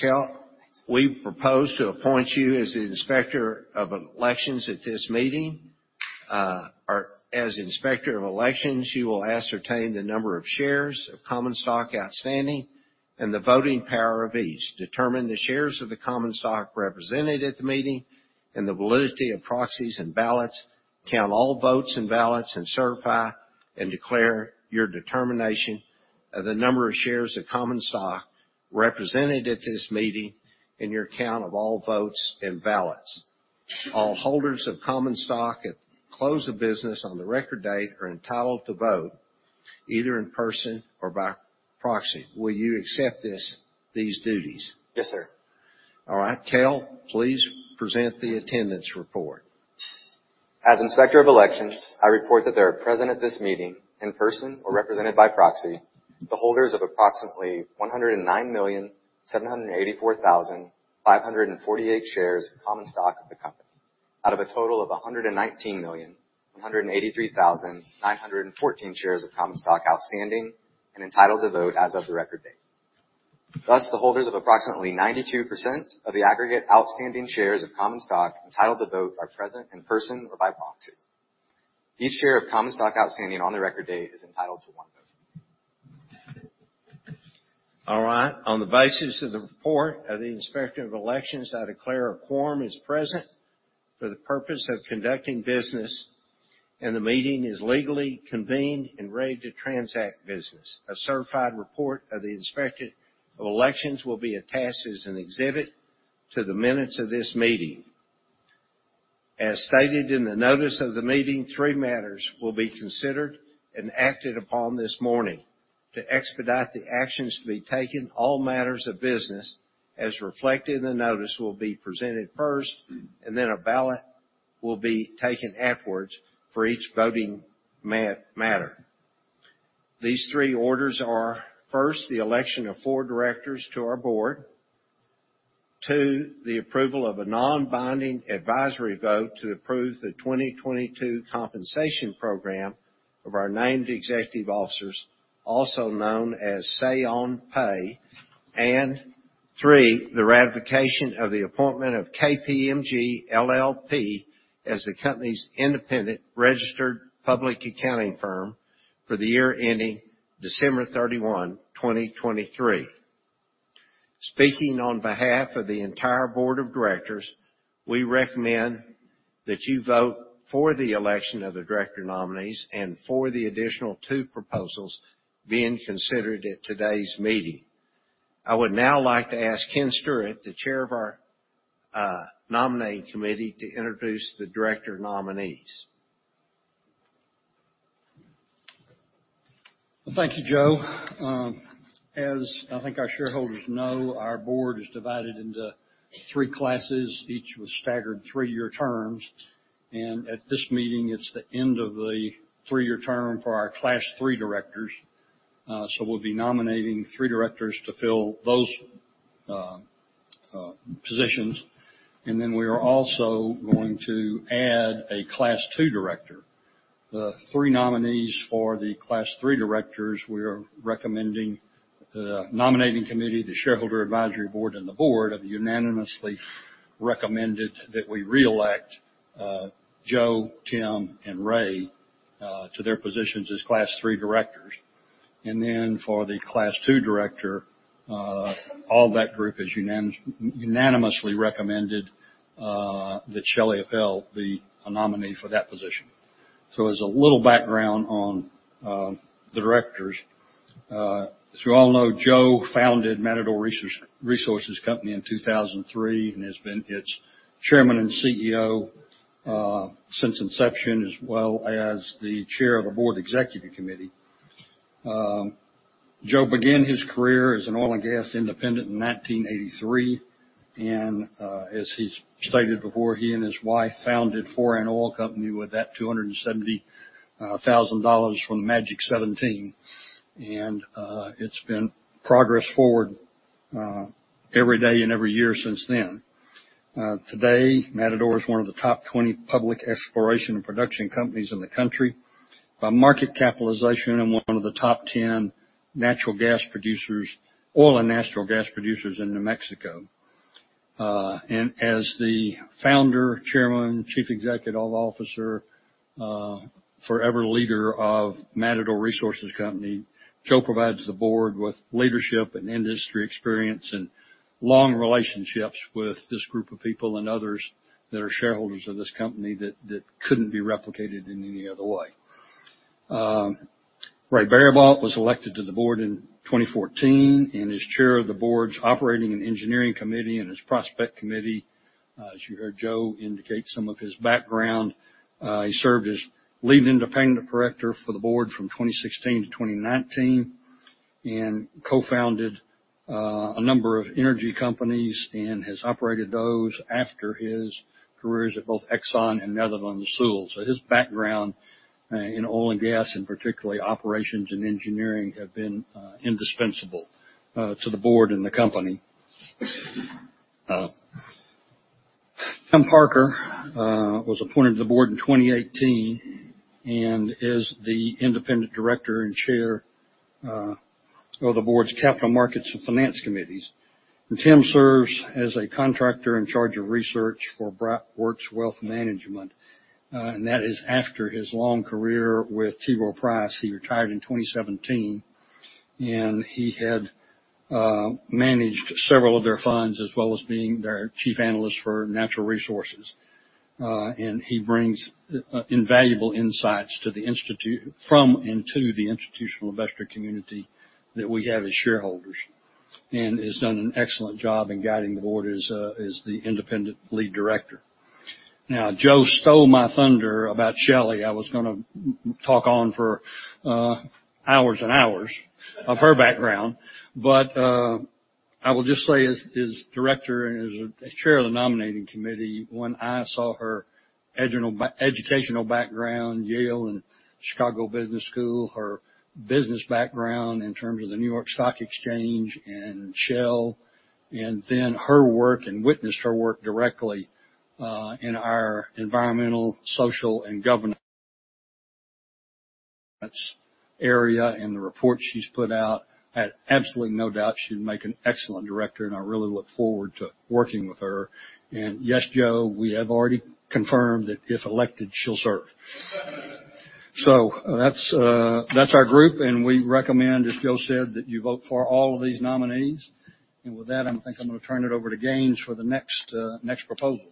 Cal, we propose to appoint you as the Inspector of Elections at this meeting. As Inspector of Elections, you will ascertain the number of shares of common stock outstanding and the voting power of each, determine the shares of the common stock represented at the meeting and the validity of proxies and ballots, count all votes and ballots and certify and declare your determination of the number of shares of common stock represented at this meeting in your count of all votes and ballots. All holders of common stock at close of business on the record date are entitled to vote, either in person or by proxy. Will you accept these duties? Yes, sir. All right. Cal, please present the attendance report. As Inspector of Elections, I report that there are present at this meeting, in person or represented by proxy, the holders of approximately 109,784,548 shares of common stock of the company, out of a total of 119,183,914 shares of common stock outstanding and entitled to vote as of the record date. The holders of approximately 92% of the aggregate outstanding shares of common stock entitled to vote are present in person or by proxy. Each share of common stock outstanding on the record date is entitled to one vote. All right. On the basis of the report of the Inspector of Elections, I declare a quorum is present for the purpose of conducting business, and the meeting is legally convened and ready to transact business. A certified report of the Inspector of Elections will be attached as an exhibit to the minutes of this meeting. As stated in the notice of the meeting, three matters will be considered and acted upon this morning. To expedite the actions to be taken, all matters of business as reflected in the notice will be presented first, and then a ballot will be taken afterwards for each voting matter. These three orders are, first, the election of four directors to our board. Two, the approval of a non-binding advisory vote to approve the 2022 compensation program of our named executive officers, also known as Say on Pay. 3, the ratification of the appointment of KPMG LLP as the company's independent registered public accounting firm for the year ending December 31, 2023. Speaking on behalf of the entire board of directors, we that you vote for the election of the director nominees and for the additional two proposals being considered at today's meeting. I would now like to ask Ken Stewart, the Chair of our Nominating Committee, to introduce the director nominees. Thank you, Joe. As I think our shareholders know, our board is divided into three classes, each with staggered three-year terms. At this meeting, it's the end of the three-year term for our Class Three directors. We'll be nominating three directors to fill those positions, and then we are also going to add a Class Two director. The three nominees for the Class Three directors, we are recommending the Nominating Committee, the Shareholder Advisory Board, and the board have unanimously recommended that we reelect Joe, Tim, and Ray to their positions as Class Three directors. For the Class Two director, all that group has unanimously recommended that Shelley Appel be a nominee for that position. As a little background on the directors. As you all know, Joe founded Matador Resources Company in 2003 and has been its Chairman and CEO since inception, as well as the Chair of the Board Executive Committee. Joe began his career as an oil and gas independent in 1983, as he's stated before, he and his wife founded Foran Oil Company with that $270 thousand from the Magic Seventeen. It's been progress forward every day and every year since then. Today, Matador is one of the top 20 public exploration and production companies in the country by market capitalization and one of the top 10 oil and natural gas producers in New Mexico. As the founder, chairman, chief executive officer, forever leader of Matador Resources Company, Joe provides the board with leadership and industry experience, and long relationships with this group of people and others that are shareholders of this company that couldn't be replicated in any other way. Ray Baribault was elected to the board in 2014 and is Chair of the board's Operating and Engineering Committee and its Prospect Committee. As you heard Joe indicate some of his background, he served as Lead Independent Director for the board from 2016 to 2019, and co-founded, a number of energy companies and has operated those after his careers at both Exxon and Netherland, Sewell. His background, in oil and gas, and particularly operations and engineering, have been indispensable to the board and the company. Tim Parker was appointed to the board in 2018 and is the independent director and chair of the board's Capital Markets and Finance Committees. Tim serves as a contractor in charge of research for Broad-Port Wealth Management, and that is after his long career with T. Rowe Price. He retired in 2017, and he had managed several of their funds, as well as being their chief analyst for natural resources. He brings invaluable insights from and to the institutional investor community that we have as shareholders, and has done an excellent job in guiding the board as the independent lead director. Joe stole my thunder about Shellie. I was gonna talk on for hours of her background. I will just say as director and as a Chair of the Nominating Committee, when I saw her educational background, Yale and Chicago Business School, her business background in terms of the New York Stock Exchange and Shell, her work, and witnessed her work directly in our environmental, social, and governance area, and the reports she's put out, I have absolutely no doubt she'd make an excellent director, and I really look forward to working with her. Yes, Joe, we have already confirmed that if elected, she'll serve. That's our group, and we recommend, as Joe said, that you vote for all of these nominees. With that, I think I'm gonna turn it over to Gaines for the next next proposal.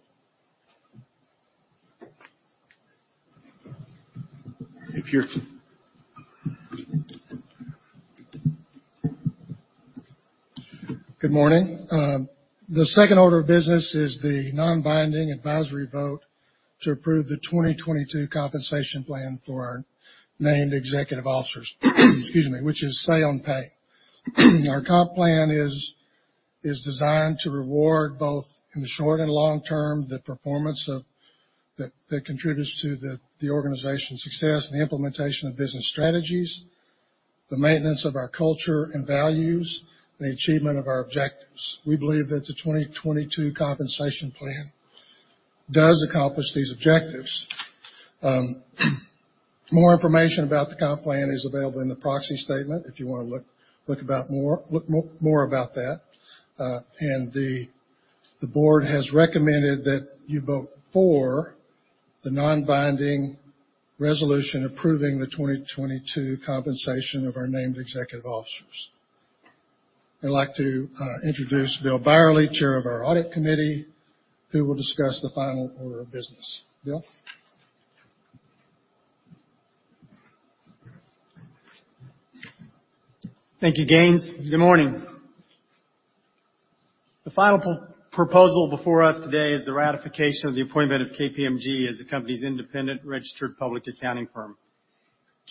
Good morning. The second order of business is the non-binding advisory vote to approve the 2022 compensation plan for our named executive officers, excuse me, which is Say on Pay. Our comp plan is designed to reward both in the short and long term, the performance that contributes to the organization's success and the implementation of business strategies, the maintenance of our culture and values, and the achievement of our objectives. We believe that the 2022 compensation plan does accomplish these objectives. More information about the comp plan is available in the proxy statement, if you wanna look more about that. The board has recommended that you vote for the non-binding resolution approving the 2022 compensation of our named executive officers. I'd like to introduce Bill Byerly, Chair of our Audit Committee, who will discuss the final order of business. Bill? Thank you, Gaines. Good morning. The final proposal before us today is the ratification of the appointment of KPMG as the company's independent registered public accounting firm.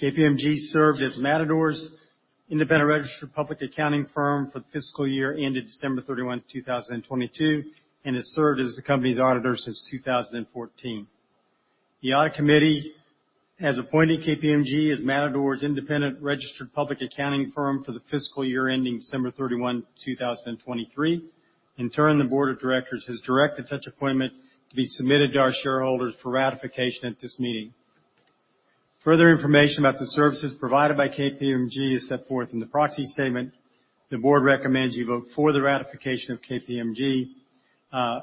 KPMG served as Matador's independent registered public accounting firm for the fiscal year ended December 31, 2022, and has served as the company's auditor since 2014. The Audit Committee has appointed KPMG as Matador's independent registered public accounting firm for the fiscal year ending December 31, 2023. The Board of Directors has directed such appointment to be submitted to our shareholders for ratification at this meeting. Further information about the services provided by KPMG is set forth in the proxy statement. The Board recommends you vote for the ratification of KPMG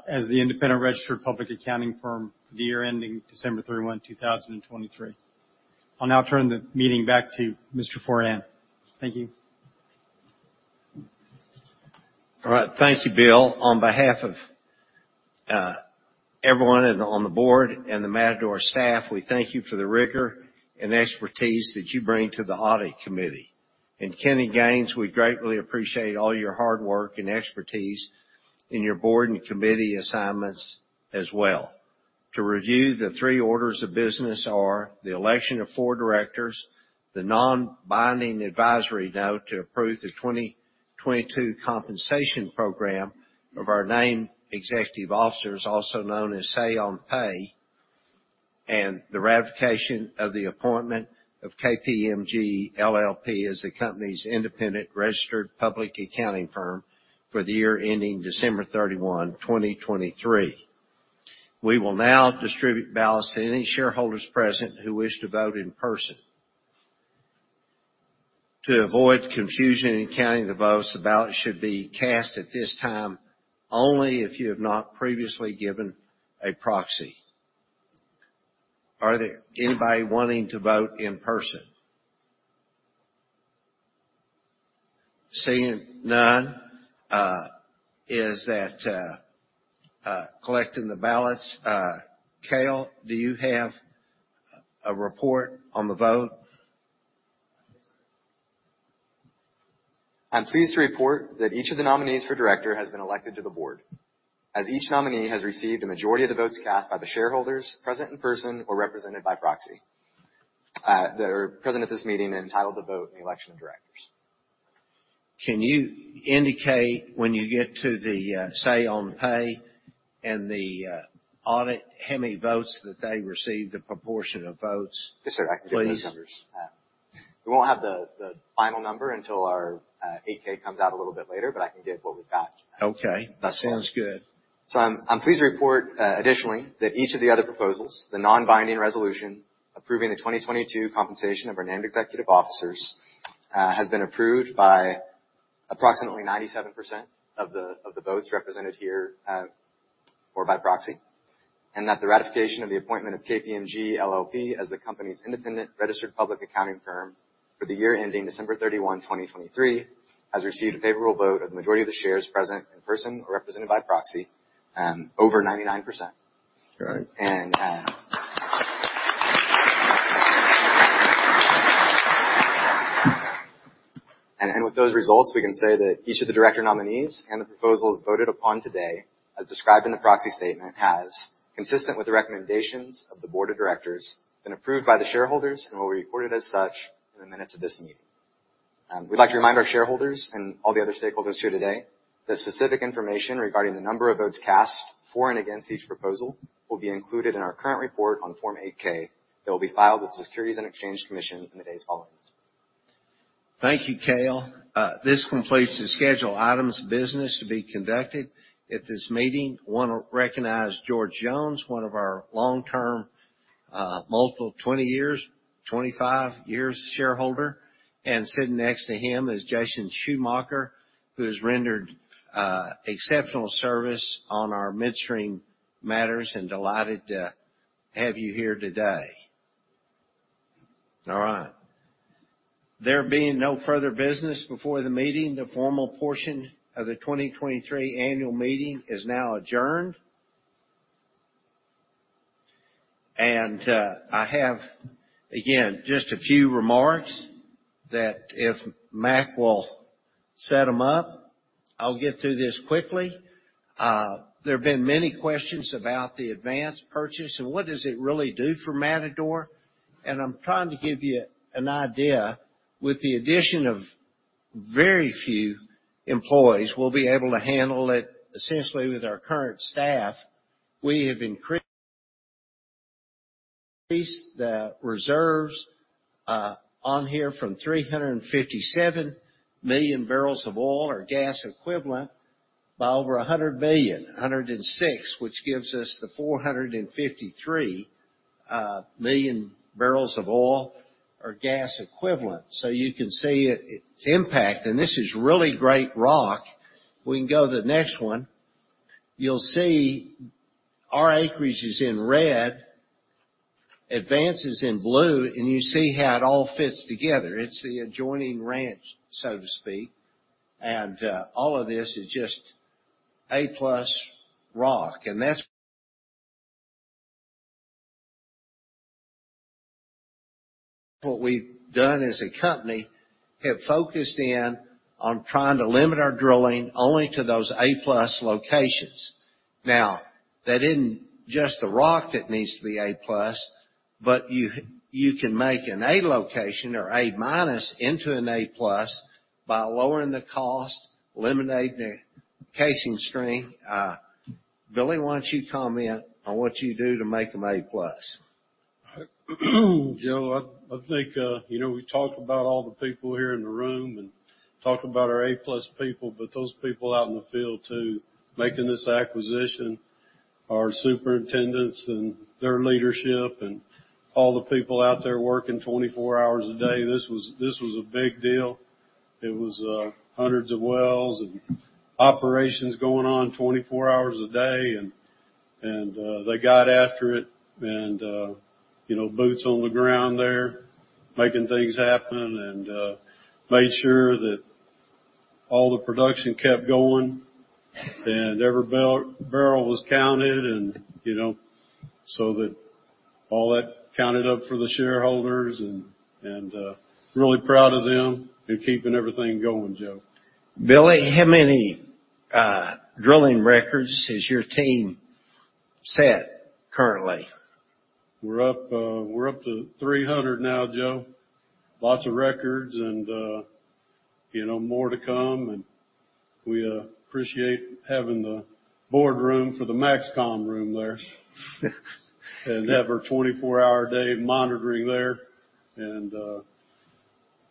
as the independent registered public accounting firm for the year ending December 31, 2023. I'll now turn the meeting back to Mr. Foran. Thank you. All right. Thank you, Bill. On behalf of everyone and on the board and the Matador staff, we thank you for the rigor and expertise that you bring to the audit committee. Kenny Gaines, we greatly appreciate all your hard work and expertise in your board and committee assignments as well. To review, the 3 orders of business are the election of 4 directors, the non-binding advisory note to approve the 2022 compensation program of our named executive officers, also known as Say-on-Pay, and the ratification of the appointment of KPMG LLP as the company's independent registered public accounting firm for the year ending December 31, 2023. We will now distribute ballots to any shareholders present who wish to vote in person. To avoid confusion in counting the votes, the ballot should be cast at this time only if you have not previously given a proxy. Are there anybody wanting to vote in person? Seeing none, is that collecting the ballots? Cale, do you have a report on the vote? I'm pleased to report that each of the nominees for director has been elected to the board, as each nominee has received a majority of the votes cast by the shareholders present in person or represented by proxy, that are present at this meeting and entitled to vote in the election of directors. Can you indicate when you get to the Say on Pay and the audit, how many votes that they received, the proportion of votes? Yes, sir. Please. I can give those numbers. We won't have the final number until our 8-K comes out a little bit later, but I can give what we've got. Okay. Yes, sir. That sounds good. I'm pleased to report, additionally, that each of the other proposals, the non-binding resolution, approving the 2022 compensation of our named executive officers, has been approved by approximately 97% of the votes represented here, or by proxy, and that the ratification of the appointment of KPMG LLP as the company's independent registered public accounting firm for the year ending December 31, 2023, has received a favorable vote of the majority of the shares present in person or represented by proxy, over 99%. All right. With those results, we can say that each of the director nominees and the proposals voted upon today, as described in the proxy statement, has, consistent with the recommendations of the board of directors, been approved by the shareholders and will be recorded as such in the minutes of this meeting. We'd like to remind our shareholders and all the other stakeholders here today that specific information regarding the number of votes cast for and against each proposal will be included in our current report on Form 8-K. They will be filed with the Securities and Exchange Commission in the days following. Thank you, Cale. This completes the schedule items business to be conducted at this meeting. I wanna recognize George Jones, one of our long-term, multiple, 20 years, 25 years shareholder, and sitting next to him is Jason Schuchmacher, who has rendered exceptional service on our midstream matters, and delighted to have you here today. All right. There being no further business before the meeting, the formal portion of the 2023 annual meeting is now adjourned. I have, again, just a few remarks that if Mack will set them up, I'll get through this quickly. There have been many questions about the advanced purchase and what does it really do for Matador. I'm trying to give you an idea. With the addition of very few employees, we'll be able to handle it essentially with our current staff. We have increased the reserves on here from 357 million barrels of oil or gas equivalent by over 100 million, 106, which gives us the 453 million barrels of oil or gas equivalent. You can see it, its impact, and this is really great rock. We can go to the next one. You'll see our acreage is in red. Advances in blue, and you see how it all fits together. It's the adjoining ranch, so to speak, and all of this is just A-plus rock. That's what we've done as a company, have focused in on trying to limit our drilling only to those A-plus locations. That isn't just the rock that needs to be A-plus, but you can make an A location or A-minus into an A-plus by lowering the cost, eliminating the casing string. Billy, why don't you comment on what you do to make them A-plus? Joe, I think, you know, we talked about all the people here in the room and talked about our A-plus people, those people out in the field, too, making this acquisition, our superintendents and their leadership, and all the people out there working 24 hours a day, this was a big deal. It was hundreds of wells and operations going on 24 hours a day, and they got after it, you know, boots on the ground there, making things happen and made sure that all the production kept going, and every barrel was counted and, you know, so that all that counted up for the shareholders and, really proud of them in keeping everything going, Joe. Billy, how many drilling records has your team set currently? We're up, we're up to 300 now, Joe. Lots of records and, you know, more to come, and we appreciate having the boardroom for the MAXCOM room there. Have our 24-hour-a-day monitoring there, and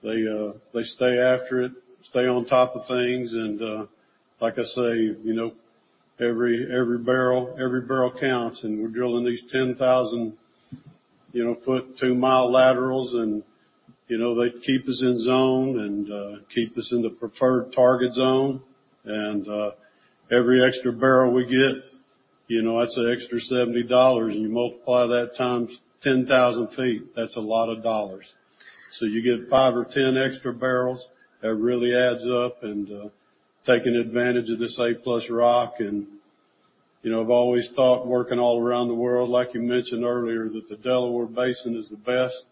they stay after it, stay on top of things, and like I say, you know, every barrel counts, and we're drilling these 10,000, you know, foot, 2-mile laterals and, you know, they keep us in zone and keep us in the preferred target zone. Every extra barrel we get, you know, that's an extra $70, and you multiply that times 10,000 feet, that's a lot of dollars. You get 5 or 10 extra barrels, that really adds up and taking advantage of this A-plus rock. You know, I've always thought, working all around the world, like you mentioned earlier, that the Delaware Basin is the best,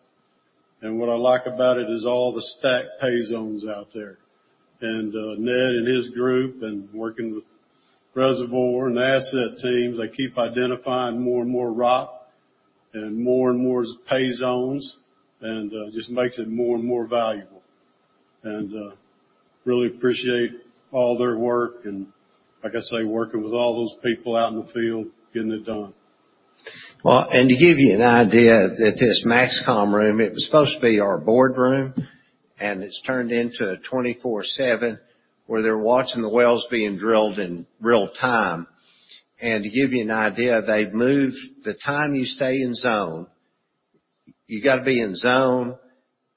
and what I like about it is all the stack pay zones out there. Ned and his group, and working with reservoir and asset teams, they keep identifying more and more rock and more and more pay zones, and just makes it more and more valuable. Really appreciate all their work and, like I say, working with all those people out in the field, getting it done. Well, to give you an idea that this MAXCOM room, it was supposed to be our boardroom, and it's turned into a 24/7, where they're watching the wells being drilled in real time. To give you an idea, they've moved the time you stay in zone. You gotta be in zone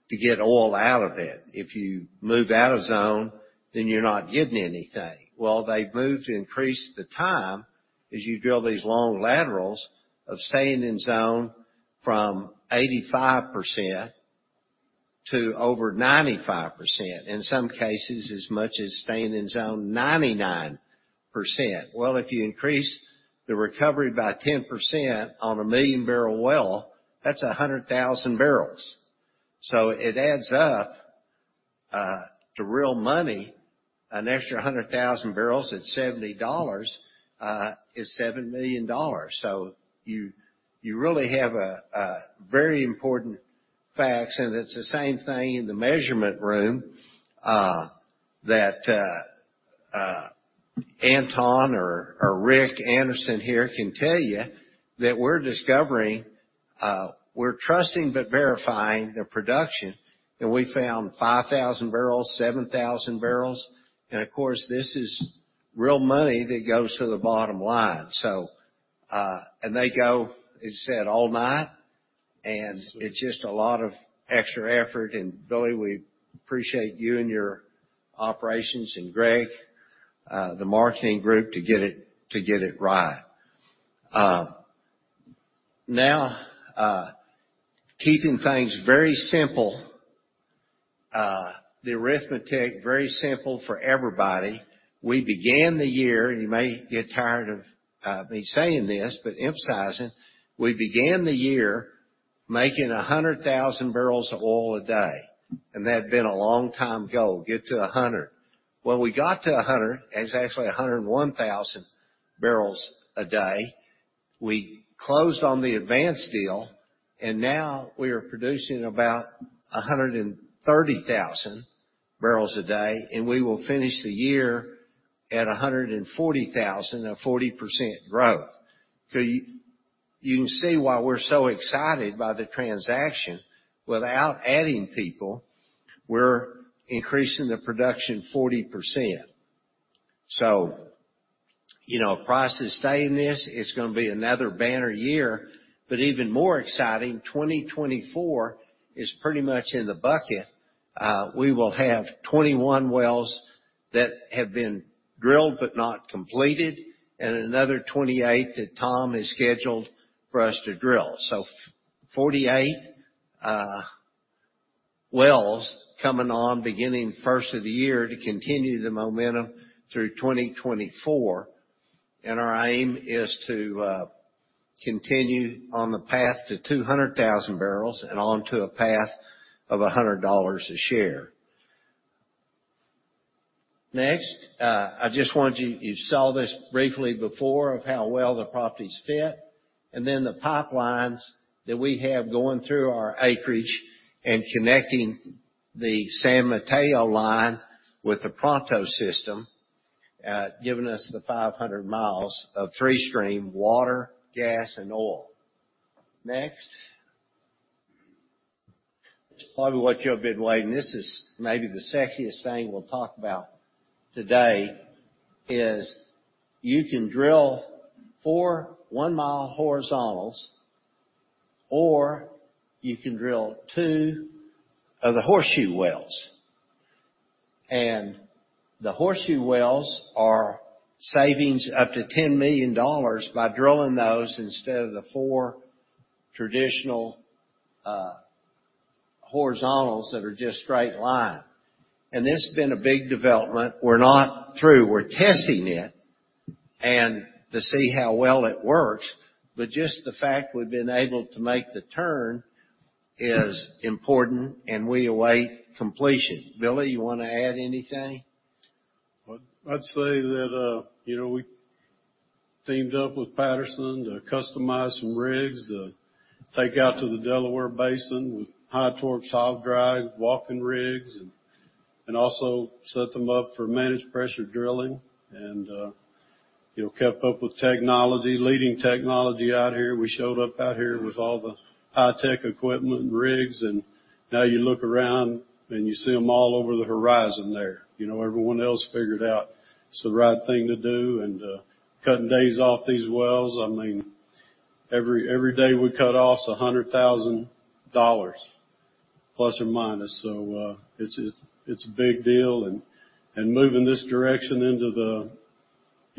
to get oil out of it. If you move out of zone, then you're not getting anything. Well, they've moved to increase the time, as you drill these long laterals, of staying in zone from 85% to over 95%, in some cases as much as staying in zone 99%. Well, if you increase the recovery by 10% on a million-barrel well, that's 100,000 barrels. It adds up to real money. An extra 100,000 barrels at $70 is $7 million. you really have a very important facts, and it's the same thing in the measurement room that Anton or Rick Alexander here can tell you, that we're discovering, we're trusting but verifying the production, and we found 5,000 barrels, 7,000 barrels, and of course, this is real money that goes to the bottom line. they go, as I said, all night, and it's just a lot of extra effort. Billy, we appreciate you and your operations, and Greg, the marketing group, to get it right. Now, keeping things very simple, the arithmetic very simple for everybody, we began the year, you may get tired of me saying this, but emphasizing, we began the year making 100,000 barrels of oil a day, and that had been a long time ago, get to 100. When we got to 100, and it's actually 101,000 barrels a day, we closed on the Advance deal. Now we are producing about 130,000 barrels a day. We will finish the year at 140,000, a 40% growth. You can see why we're so excited by the transaction. Without adding people, we're increasing the production 40%. You know, price is staying this, it's going to be another banner year, but even more exciting, 2024 is pretty much in the bucket. We will have 21 wells that have been drilled but not completed, and another 28 that Tom has scheduled for us to drill. 48 wells coming on beginning first of the year to continue the momentum through 2024, and our aim is to continue on the path to 200,000 barrels and onto a path of $100 a share. Next, I just wanted you saw this briefly before of how well the properties fit, and then the pipelines that we have going through our acreage and connecting the San Mateo line with the Pronto system, giving us the 500 miles of three stream: water, gas, and oil. Next. Probably what you've been waiting, this is maybe the sexiest thing we'll talk about today, is you can drill 4 1-mile horizontals, or you can drill 2 of the horseshoe wells. The horseshoe wells are savings up to $10 million by drilling those instead of the 4 traditional horizontals that are just straight line. This has been a big development. We're not through. We're testing it, and to see how well it works, but just the fact we've been able to make the turn is important, and we await completion. Billy, you wanna add anything? Well, I'd say that, you know, we teamed up with Patterson-UTI to customize some rigs to take out to the Delaware Basin with high torque, top drive, walking rigs, and also set them up for managed pressure drilling and, you know, kept up with technology, leading technology out here. We showed up out here with all the high tech equipment and rigs, and now you look around, and you see them all over the horizon there. You know, everyone else figured out it's the right thing to do, and cutting days off these wells, I mean, every day we cut off $100,000 ±. it's a big deal, and moving this direction into the,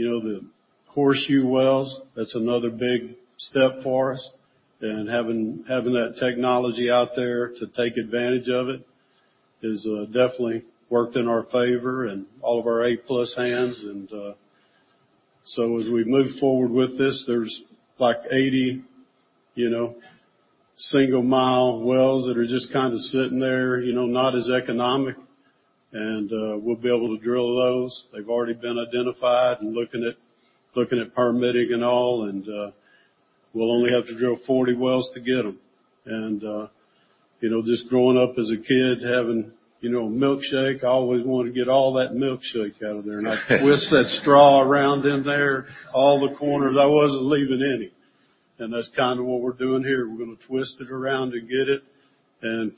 you know, the horseshoe wells, that's another big step for us. Having that technology out there to take advantage of it has definitely worked in our favor and all of our A-plus hands. As we move forward with this, there's like 80, you know, single-mile wells that are just kinda sitting there, you know, not as economic, and we'll be able to drill those. They've already been identified and looking at permitting and all, and we'll only have to drill 40 wells to get them. You know, just growing up as a kid, having, you know, a milkshake, I always wanted to get all that milkshake out of there. I twist that straw around in there, all the corners. I wasn't leaving any. That's kinda what we're doing here. We're gonna twist it around to get it.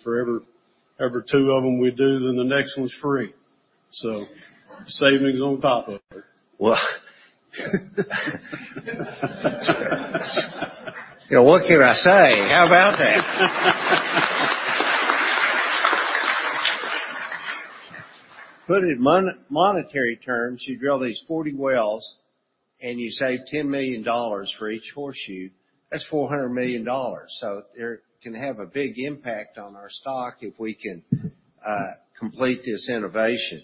For every two of them we do, then the next one's free. Savings on top of it. Well, you know, what can I say? How about that? Put it in monetary terms, you drill these 40 wells, and you save $10 million for each horseshoe, that's $400 million. It can have a big impact on our stock if we can complete this innovation.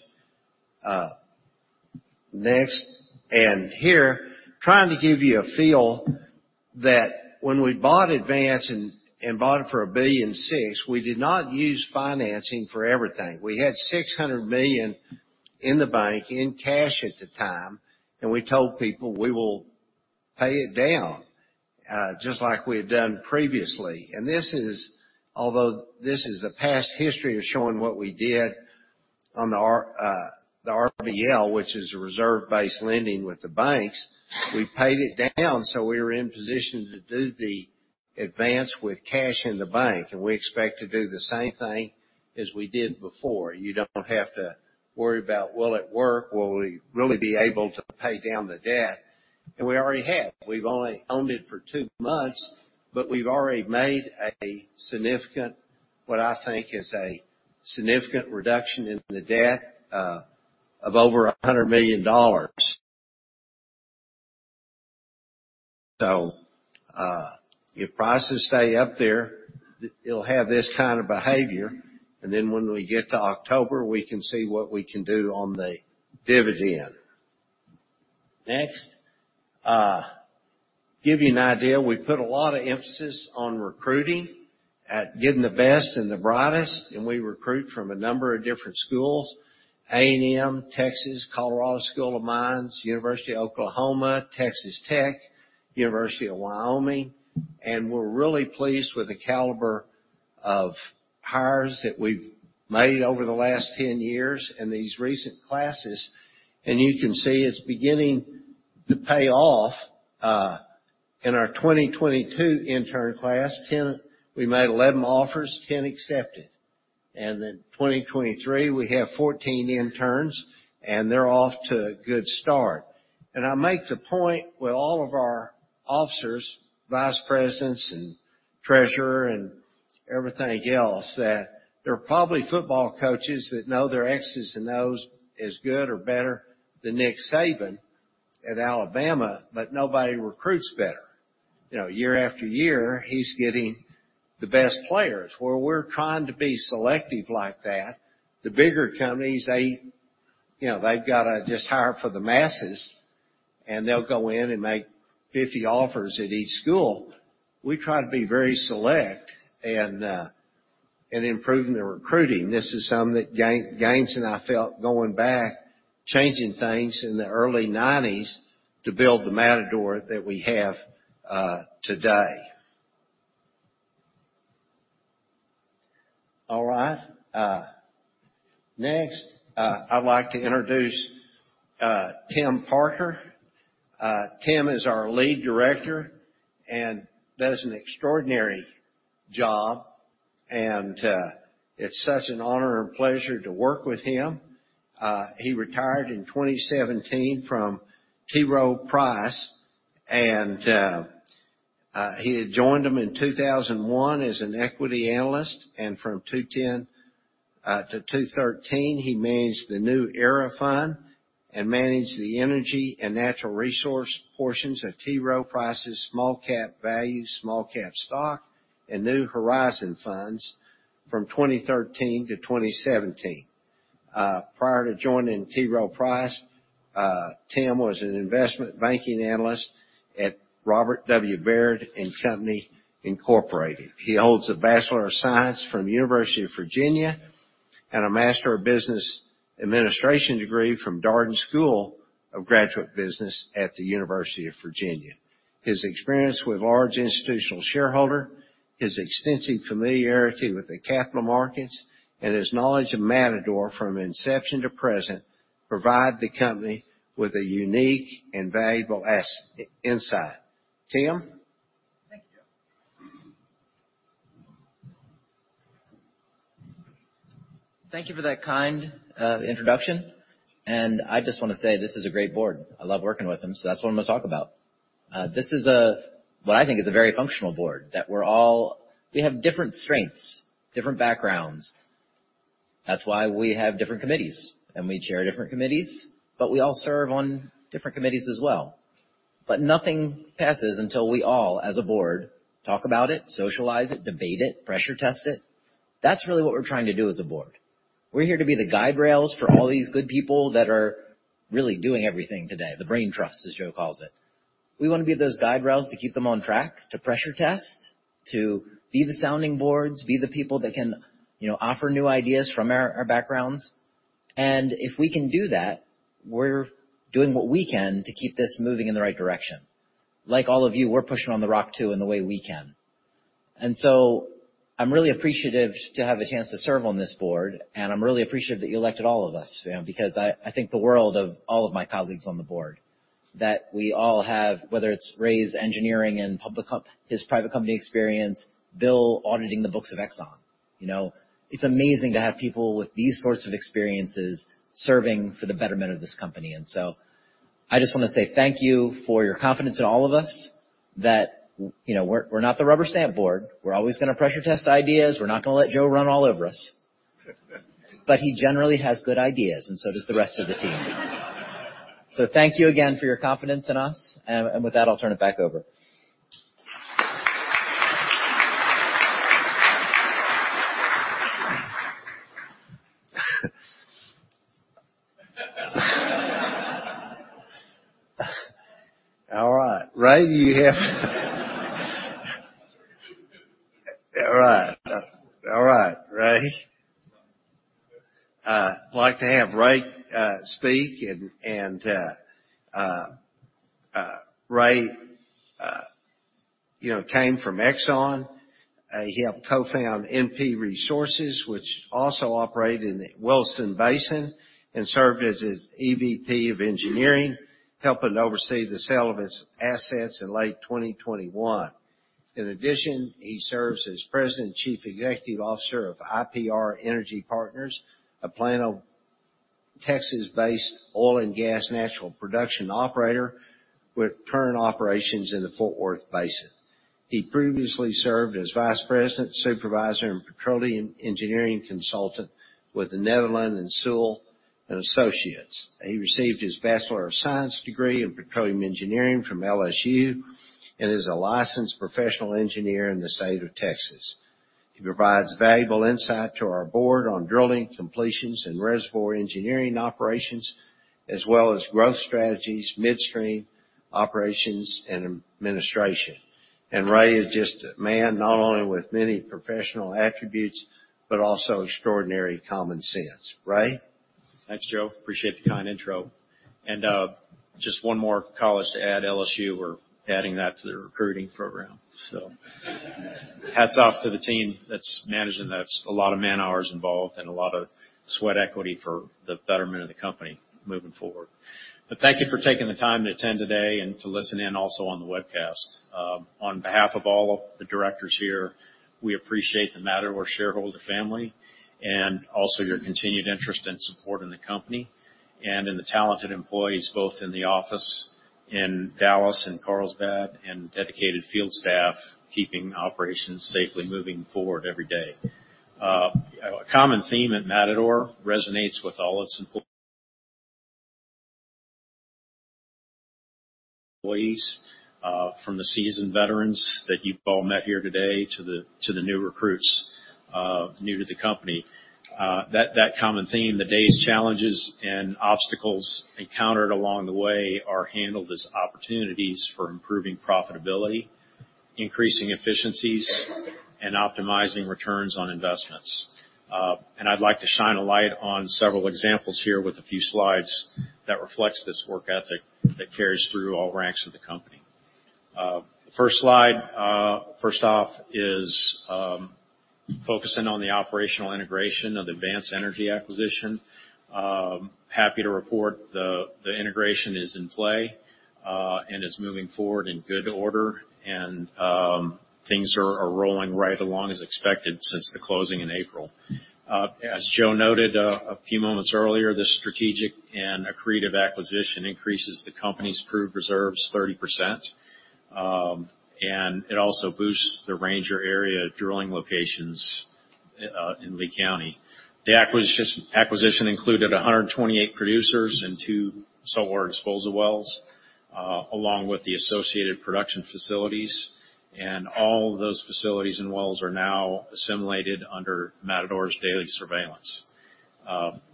Next. Here, trying to give you a feel that when we bought Advance and bought it for $1.6 billion, we did not use financing for everything. We had $600 million in the bank, in cash at the time, and we told people we will pay it down, just like we had done previously. This is, although this is the past history of showing what we did on the RBL, which is a reserve-based lending with the banks, we paid it down, so we were in position to do the advance with cash in the bank, and we expect to do the same thing as we did before. You don't have to worry about, will it work? Will we really be able to pay down the debt? We already have. We've only owned it for two months, but we've already made a significant, what I think is a significant reduction in the debt, of over $100 million. If prices stay up there, it'll have this kind of behavior, and then when we get to October, we can see what we can do on the dividend. Next. Give you an idea, we put a lot of emphasis on recruiting, at getting the best and the brightest, and we recruit from a number of different schools: A&M, Texas, Colorado School of Mines, University of Oklahoma, Texas Tech, University of Wyoming. We're really pleased with the caliber of hires that we've made over the last 10 years in these recent classes. You can see it's beginning to pay off in our 2022 intern class. We made 11 offers, 10 accepted. 2023, we have 14 interns, and they're off to a good start. I make the point with all of our officers, vice presidents and treasurer and everything else, that there are probably football coaches that know their X's and O's as good or better than Nick Saban at Alabama, but nobody recruits better. You know, year after year, he's getting the best players. Where we're trying to be selective like that, the bigger companies, they, you know, they've gotta just hire for the masses, and they'll go in and make 50 offers at each school. We try to be very select and in improving the recruiting. This is something that Gaines and I felt going back, changing things in the early nineties to build the Matador that we have today. All right. Next, I'd like to introduce Tim Parker. Tim is our lead director and does an extraordinary job, and it's such an honor and pleasure to work with him. He retired in 2017 from T. Rowe Price, he had joined them in 2001 as an equity analyst, from 2010-2013, he managed the New Era Fund and managed the energy and natural resource portions of T. Rowe Price's small cap value, small cap stock, and New Horizon funds from 2013-2017. Prior to joining T. Rowe Price, Tim was an investment banking analyst at Robert W. Baird & Co. Incorporated. He holds a Bachelor of Science from the University of Virginia and a Master of Business Administration degree from Darden School of Graduate Business at the University of Virginia. His experience with large institutional shareholder, his extensive familiarity with the capital markets, and his knowledge of Matador from inception to present, provide the company with a unique and valuable insight. Tim? Thank you. Thank you for that kind introduction. I just wanna say, this is a great board. I love working with them, that's what I'm gonna talk about. This is a, what I think is a very functional board, that we have different strengths, different backgrounds. That's why we have different committees, we chair different committees, we all serve on different committees as well. Nothing passes until we all, as a board, talk about it, socialize it, debate it, pressure test it. That's really what we're trying to do as a board. We're here to be the guide rails for all these good people that are really doing everything today, the brain trust, as Joe calls it. We wanna be those guide rails to keep them on track, to pressure test, to be the sounding boards, be the people that can, you know, offer new ideas from our backgrounds. If we can do that, we're doing what we can to keep this moving in the right direction. Like all of you, we're pushing on the rock, too, in the way we can. So I'm really appreciative to have a chance to serve on this board, and I'm really appreciative that you elected all of us, because I think the world of all of my colleagues on the board. That we all have, whether it's Ray's engineering and his private company experience, Bill auditing the books of ExxonMobil. You know, it's amazing to have people with these sorts of experiences serving for the betterment of this company. I just wanna say thank you for your confidence in all of us, that, you know, we're not the rubber stamp board. We're always gonna pressure test ideas. We're not gonna let Joe run all over us. He generally has good ideas, and so does the rest of the team. Thank you again for your confidence in us, and with that, I'll turn it back over. All right, Ray. All right, Ray. I'd like to have Ray speak and Ray, you know, came from Exxon. He helped co-found NP Resources, which also operated in the Williston Basin and served as its EVP of engineering, helping to oversee the sale of its assets in late 2021. He serves as president and chief executive officer of IPR Energy, a Plano, Texas-based oil and gas natural production operator with current operations in the Fort Worth Basin. He previously served as vice president, supervisor, and petroleum engineering consultant with the Netherland, Sewell & Associates. He received his Bachelor of Science degree in Petroleum Engineering from LSU and is a licensed Professional Engineer in the state of Texas. He provides valuable insight to our board on drilling, completions, reservoir engineering operations, as well as growth strategies, midstream operations, and administration. Ray is just a man, not only with many professional attributes, but also extraordinary common sense. Ray? Thanks, Joe. Appreciate the kind intro. Just one more college to add, LSU, we're adding that to the recruiting program. Hats off to the team that's managing that. A lot of man-hours involved and a lot of sweat equity for the betterment of the company moving forward. Thank you for taking the time to attend today and to listen in also on the webcast. On behalf of all of the directors here, we appreciate the Matador shareholder family, and also your continued interest and support in the company, and in the talented employees, both in Dallas and Carlsbad, and dedicated field staff keeping operations safely moving forward every day. A common theme at Matador resonates with all its employees, from the seasoned veterans that you've all met here today, to the new recruits, new to the company. That common theme, the day's challenges and obstacles encountered along the way, are handled as opportunities for improving profitability, increasing efficiencies, and optimizing returns on investments. I'd like to shine a light on several examples here with a few slides that reflects this work ethic that carries through all ranks of the company. First slide, first off, is focusing on the operational integration of Advance Energy acquisition. Happy to report the integration is in play and is moving forward in good order, and things are rolling right along as expected since the closing in April. As Joe noted, a few moments earlier, this strategic and accretive acquisition increases the company's proved reserves 30%. It also boosts the Ranger area drilling locations in Lee County. The acquisition included 128 producers and 2 solar disposal wells, along with the associated production facilities, and all those facilities and wells are now assimilated under Matador's daily surveillance.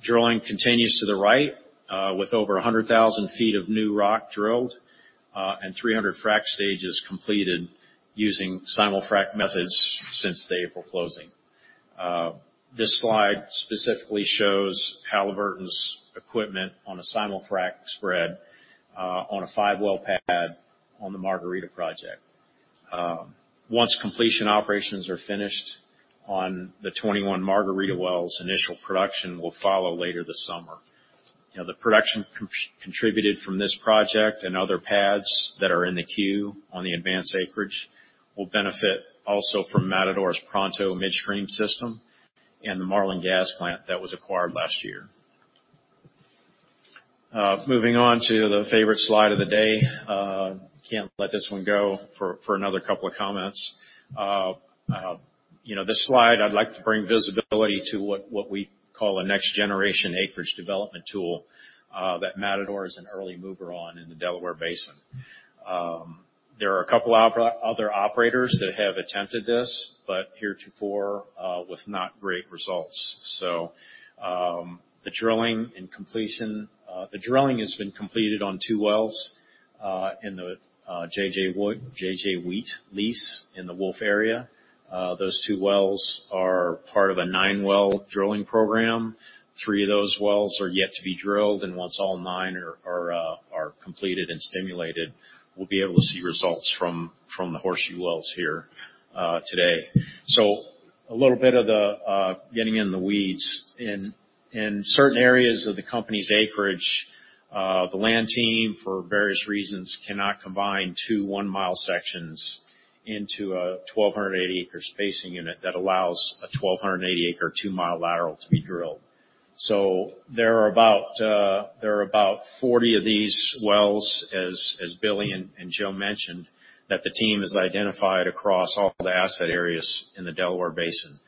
Drilling continues to the right, with over 100,000 feet of new rock drilled, and 300 frack stages completed using SimulFrac methods since the April closing. This slide specifically shows Halliburton's equipment on a SimulFrac spread, on a 5-well pad on the Margarita Project. Once completion operations are finished on the 21 Margarita wells, initial production will follow later this summer. You know, the production contributed from this project and other pads that are in the queue on the advanced acreage, will benefit also from Matador's Pronto Midstream system and the Marlan Gas Plant that was acquired last year. Moving on to the favorite slide of the day. Can't let this one go for another couple of comments. You know, this slide, I'd like to bring visibility to what we call a next generation acreage development tool that Matador is an early mover on in the Delaware Basin. There are a couple of other operators that have attempted this, heretofore with not great results. The drilling and completion, the drilling has been completed on 2 wells in the JJ Wheat lease in the Wolf Area. Those two wells are part of a nine-well drilling program. Three of those wells are yet to be drilled, and once all nine are completed and stimulated, we'll be able to see results from the horseshoe wells here today. A little bit of the getting in the weeds. In certain areas of the company's acreage, the land team, for various reasons, cannot combine two one-mile sections into a 1,280 acre spacing unit that allows a 1,280 acre, 2-mile lateral to be drilled. There are about 40 of these wells, as Billy and Joe mentioned, that the team has identified across all the asset areas in the Delaware Basin,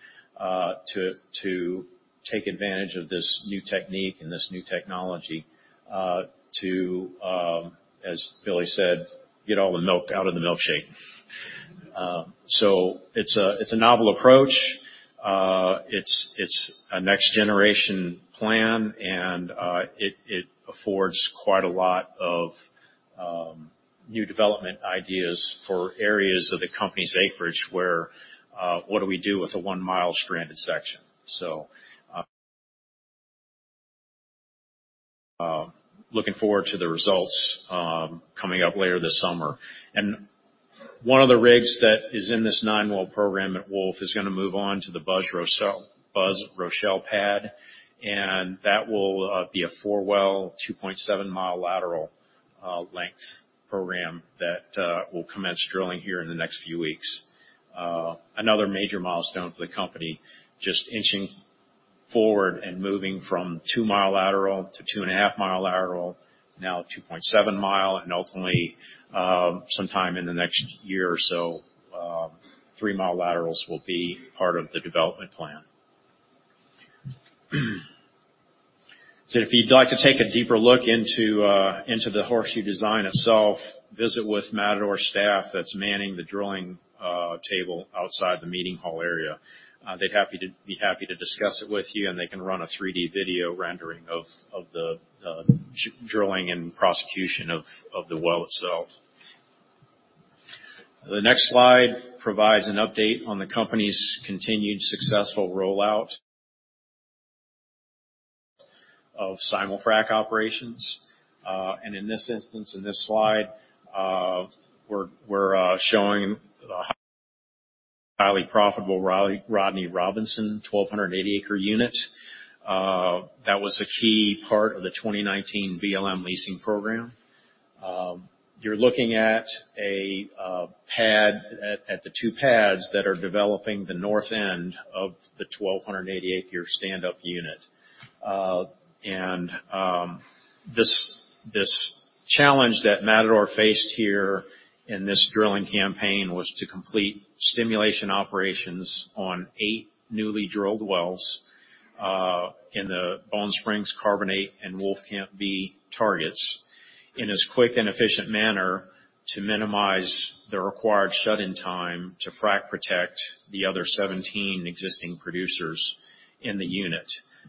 to take advantage of this new technique and this new technology, to, as Billy said, "Get all the milk out of the milkshake." It's a novel approach. It's a next-generation plan, and it affords quite a lot of new development ideas for areas of the company's acreage, where what do we do with a 1-mile stranded section? Looking forward to the results, coming up later this summer. One of the rigs that is in this 9-well program at Wolf is going to move on to the Buzzard's Roost Pad, and that will be a 4-well, 2.7-mile lateral length program that will commence drilling here in the next few weeks. Another major milestone for the company, just inching forward and moving from 2-mile lateral to 2.5-mile lateral, now 2.7 mile, and ultimately, sometime in the next year or so, 3-mile laterals will be part of the development plan. If you'd like to take a deeper look into the horseshoe design itself, visit with Matador staff that's manning the drilling table outside the meeting hall area. They'd happy to. be happy to discuss it with you, and they can run a 3-D video rendering of the drilling and prosecution of the well itself. The next slide provides an update on the company's continued successful rollout of SimulFrac operations. In this instance, in this slide, we're showing a highly profitable Rodney Robinson, 1,280 acre unit. That was a key part of the 2019 BLM leasing program. You're looking at a pad, at the two pads that are developing the north end of the 1,280 acre standup unit. This, this challenge that Matador faced here in this drilling campaign was to complete stimulation operations on 8 newly drilled wells in the Bone Spring Carbonate and Wolfcamp B targets, in as quick and efficient manner to minimize the required shut-in time to frack protect the other 17 existing producers in the unit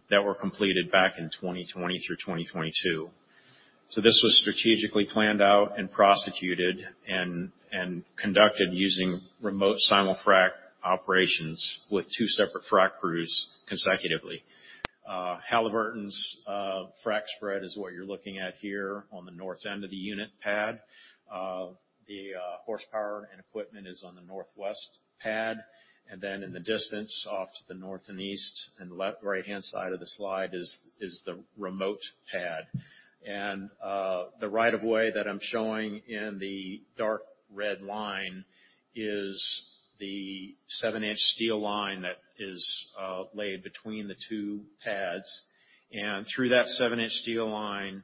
that were completed back in 2020 through 2022. This was strategically planned out and prosecuted and conducted using remote SimulFrac operations with 2 separate frac crews consecutively. Halliburton's frac spread is what you're looking at here on the north end of the unit pad. The horsepower and equipment is on the northwest pad, and then in the distance, off to the north and east, and the left right-hand side of the slide is the remote pad. The right of way that I'm showing in the dark red line is the 7-inch steel line that is laid between the two pads. Through that 7-inch steel line,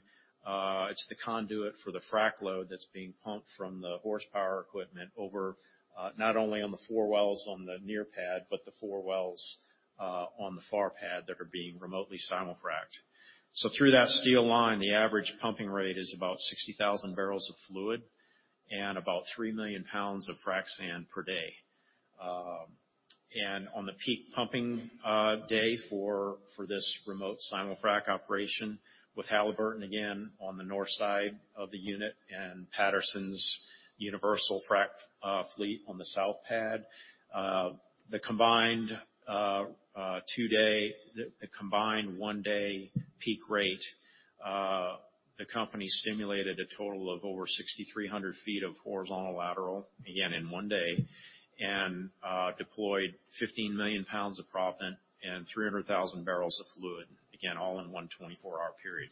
it's the conduit for the frac load that's being pumped from the horsepower equipment over, not only on the 4 wells on the near pad, but the 4 wells on the far pad that are being remotely Simul-Frac'd. Through that steel line, the average pumping rate is about 60,000 barrels of fluid and about 3 million pounds of frac sand per day. On the peak pumping day for this remote simul-frac operation, with Halliburton again on the north side of the unit and Patterson-UTI on the south pad. The combined 2-day... The combined one-day peak rate, the company stimulated a total of over 6,300 feet of horizontal lateral, again in one day. deployed 15 million pounds of proppant and 300,000 barrels of fluid, again, all in one 24-hour period.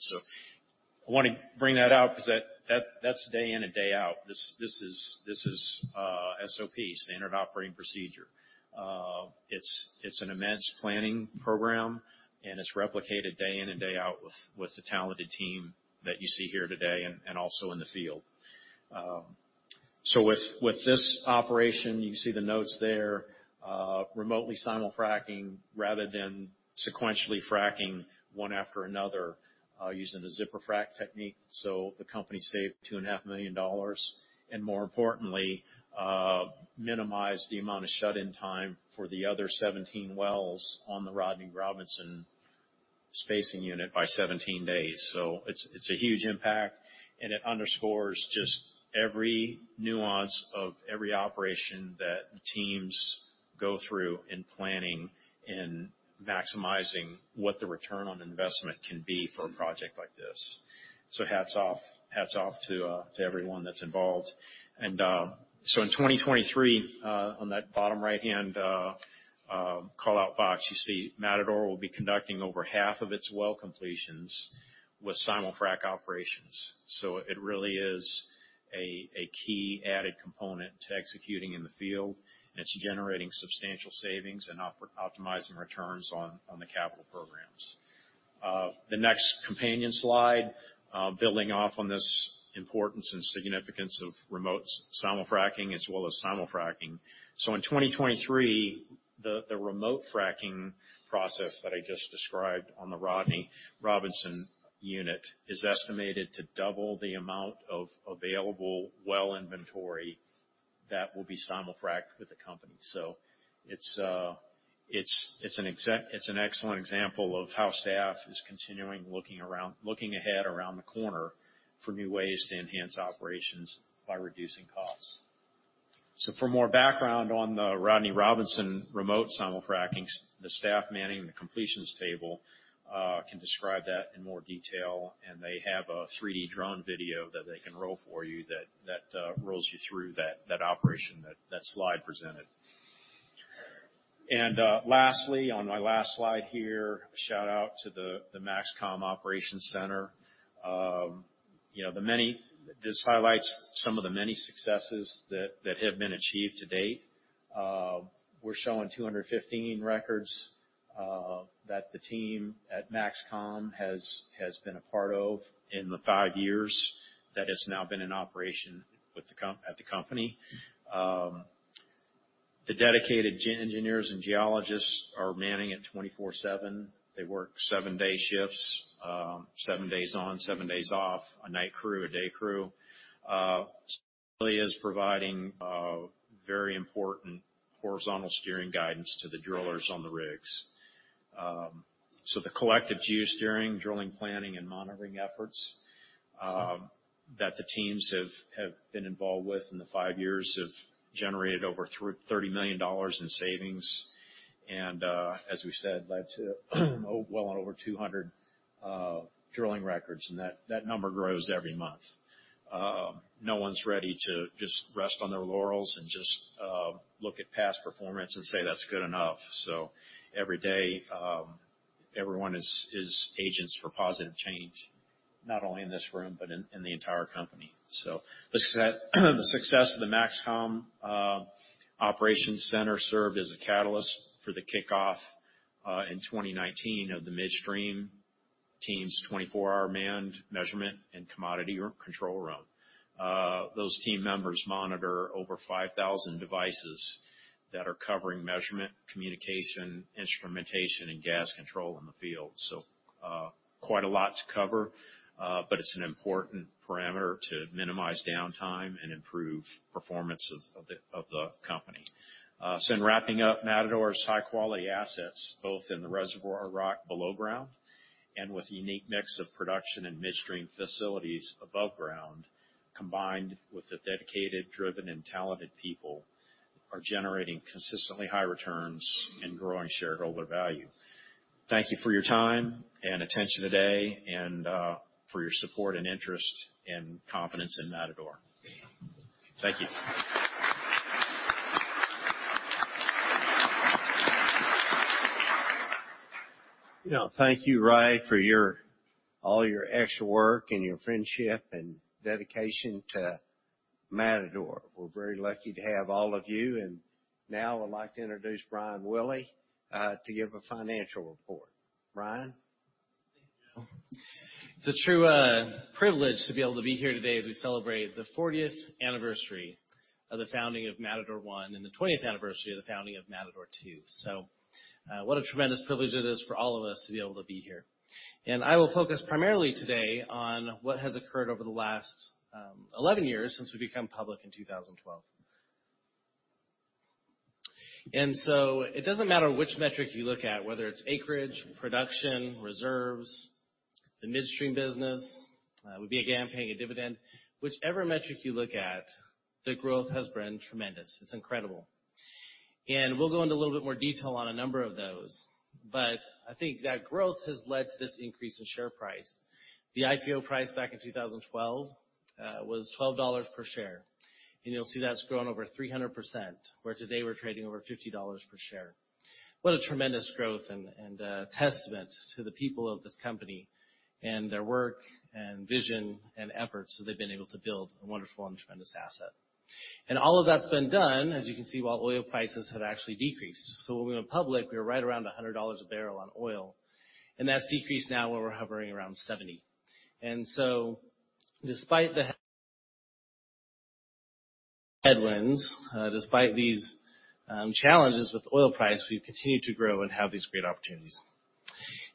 I want to bring that out because that's day in and day out. This is SOP, standard operating procedure. It's an immense planning program, and it's replicated day in and day out with the talented team that you see here today and also in the field. With this operation, you can see the notes there, remotely simul-fracking rather than sequentially fracking one after another, using the Zipper Frac technique. The company saved two and a half million dollars, and more importantly, minimized the amount of shut-in time for the other 17 wells on the Rodney Robinson spacing unit by 17 days. It's a huge impact, and it underscores just every nuance of every operation that the teams go through in planning and maximizing what the return on investment can be for a project like this. Hats off to everyone that's involved. In 2023, on that bottom right-hand call-out box, you see Matador will be conducting over half of its well completions with simul-frac operations. It really is a key added component to executing in the field, and it's generating substantial savings and optimizing returns on the capital programs. The next companion slide, building off on this importance and significance of remote SimulFrac as well as SimulFrac. In 2023, the remote fracking process that I just described on the Rodney Robinson unit is estimated to double the amount of available well inventory that will be simul-frac'd with the company. It's an excellent example of how staff is continuing looking ahead around the corner for new ways to enhance operations by reducing costs. For more background on the Rodney Robinson remote SimulFracs, the staff manning the completions table can describe that in more detail, and they have a 3D drone video that they can roll for you, that rolls you through that operation, that slide presented. Lastly, on my last slide here, shout out to the MAXCOM Operations Center. You know, this highlights some of the many successes that have been achieved to date. We're showing 215 records that the team at MAXCOM has been a part of in the five years that it's now been in operation at the company. The dedicated engineers and geologists are manning it 24/7. They work seven-day shifts, seven days on, seven days off, a night crew, a day crew. Certainly is providing very important horizontal steering guidance to the drillers on the rigs. The collective geosteering, drilling, planning, and monitoring efforts that the teams have been involved with in the five years have generated over $30 million in savings. As we said, led to well, over 200 drilling records, and that number grows every month. No one's ready to just rest on their laurels and just look at past performance and say, "That's good enough." Every day, everyone is agents for positive change not only in this room, but in the entire company. The success of the MAXCOM operations center served as a catalyst for the kickoff in 2019 of the midstream team's 24-hour manned measurement and commodity or control room. Those team members monitor over 5,000 devices that are covering measurement, communication, instrumentation, and gas control in the field. Quite a lot to cover, but it's an important parameter to minimize downtime and improve performance of the company. In wrapping up, Matador's high-quality assets, both in the reservoir or rock below ground, and with a unique mix of production and midstream facilities above ground, combined with the dedicated, driven, and talented people, are generating consistently high returns and growing shareholder value. Thank you for your time and attention today, and for your support and interest, and confidence in Matador. Thank you. You know, thank you, Ray, for your... all your extra work and your friendship and dedication to Matador. We're very lucky to have all of you. Now I'd like to introduce Brian Willey to give a financial report. Brian? Thank you. It's a true privilege to be able to be here today as we celebrate the 40th anniversary of the founding of First Matador, and the 20th anniversary of the founding of Second Matador. What a tremendous privilege it is for all of us to be able to be here. I will focus primarily today on what has occurred over the last 11 years since we became public in 2012. It doesn't matter which metric you look at, whether it's acreage, production, reserves, the midstream business, we begin paying a dividend. Whichever metric you look at, the growth has been tremendous. It's incredible. We'll go into a little bit more detail on a number of those, but I think that growth has led to this increase in share price. The IPO price back in 2012 was $12 per share, and you'll see that's grown over 300%, where today we're trading over $50 per share. What a tremendous growth and testament to the people of this company and their work, and vision, and efforts, so they've been able to build a wonderful and tremendous asset. All of that's been done, as you can see, while oil prices have actually decreased. When we went public, we were right around $100 a barrel on oil, and that's decreased now, where we're hovering around 70. Despite the headwinds, despite these challenges with oil price, we've continued to grow and have these great opportunities.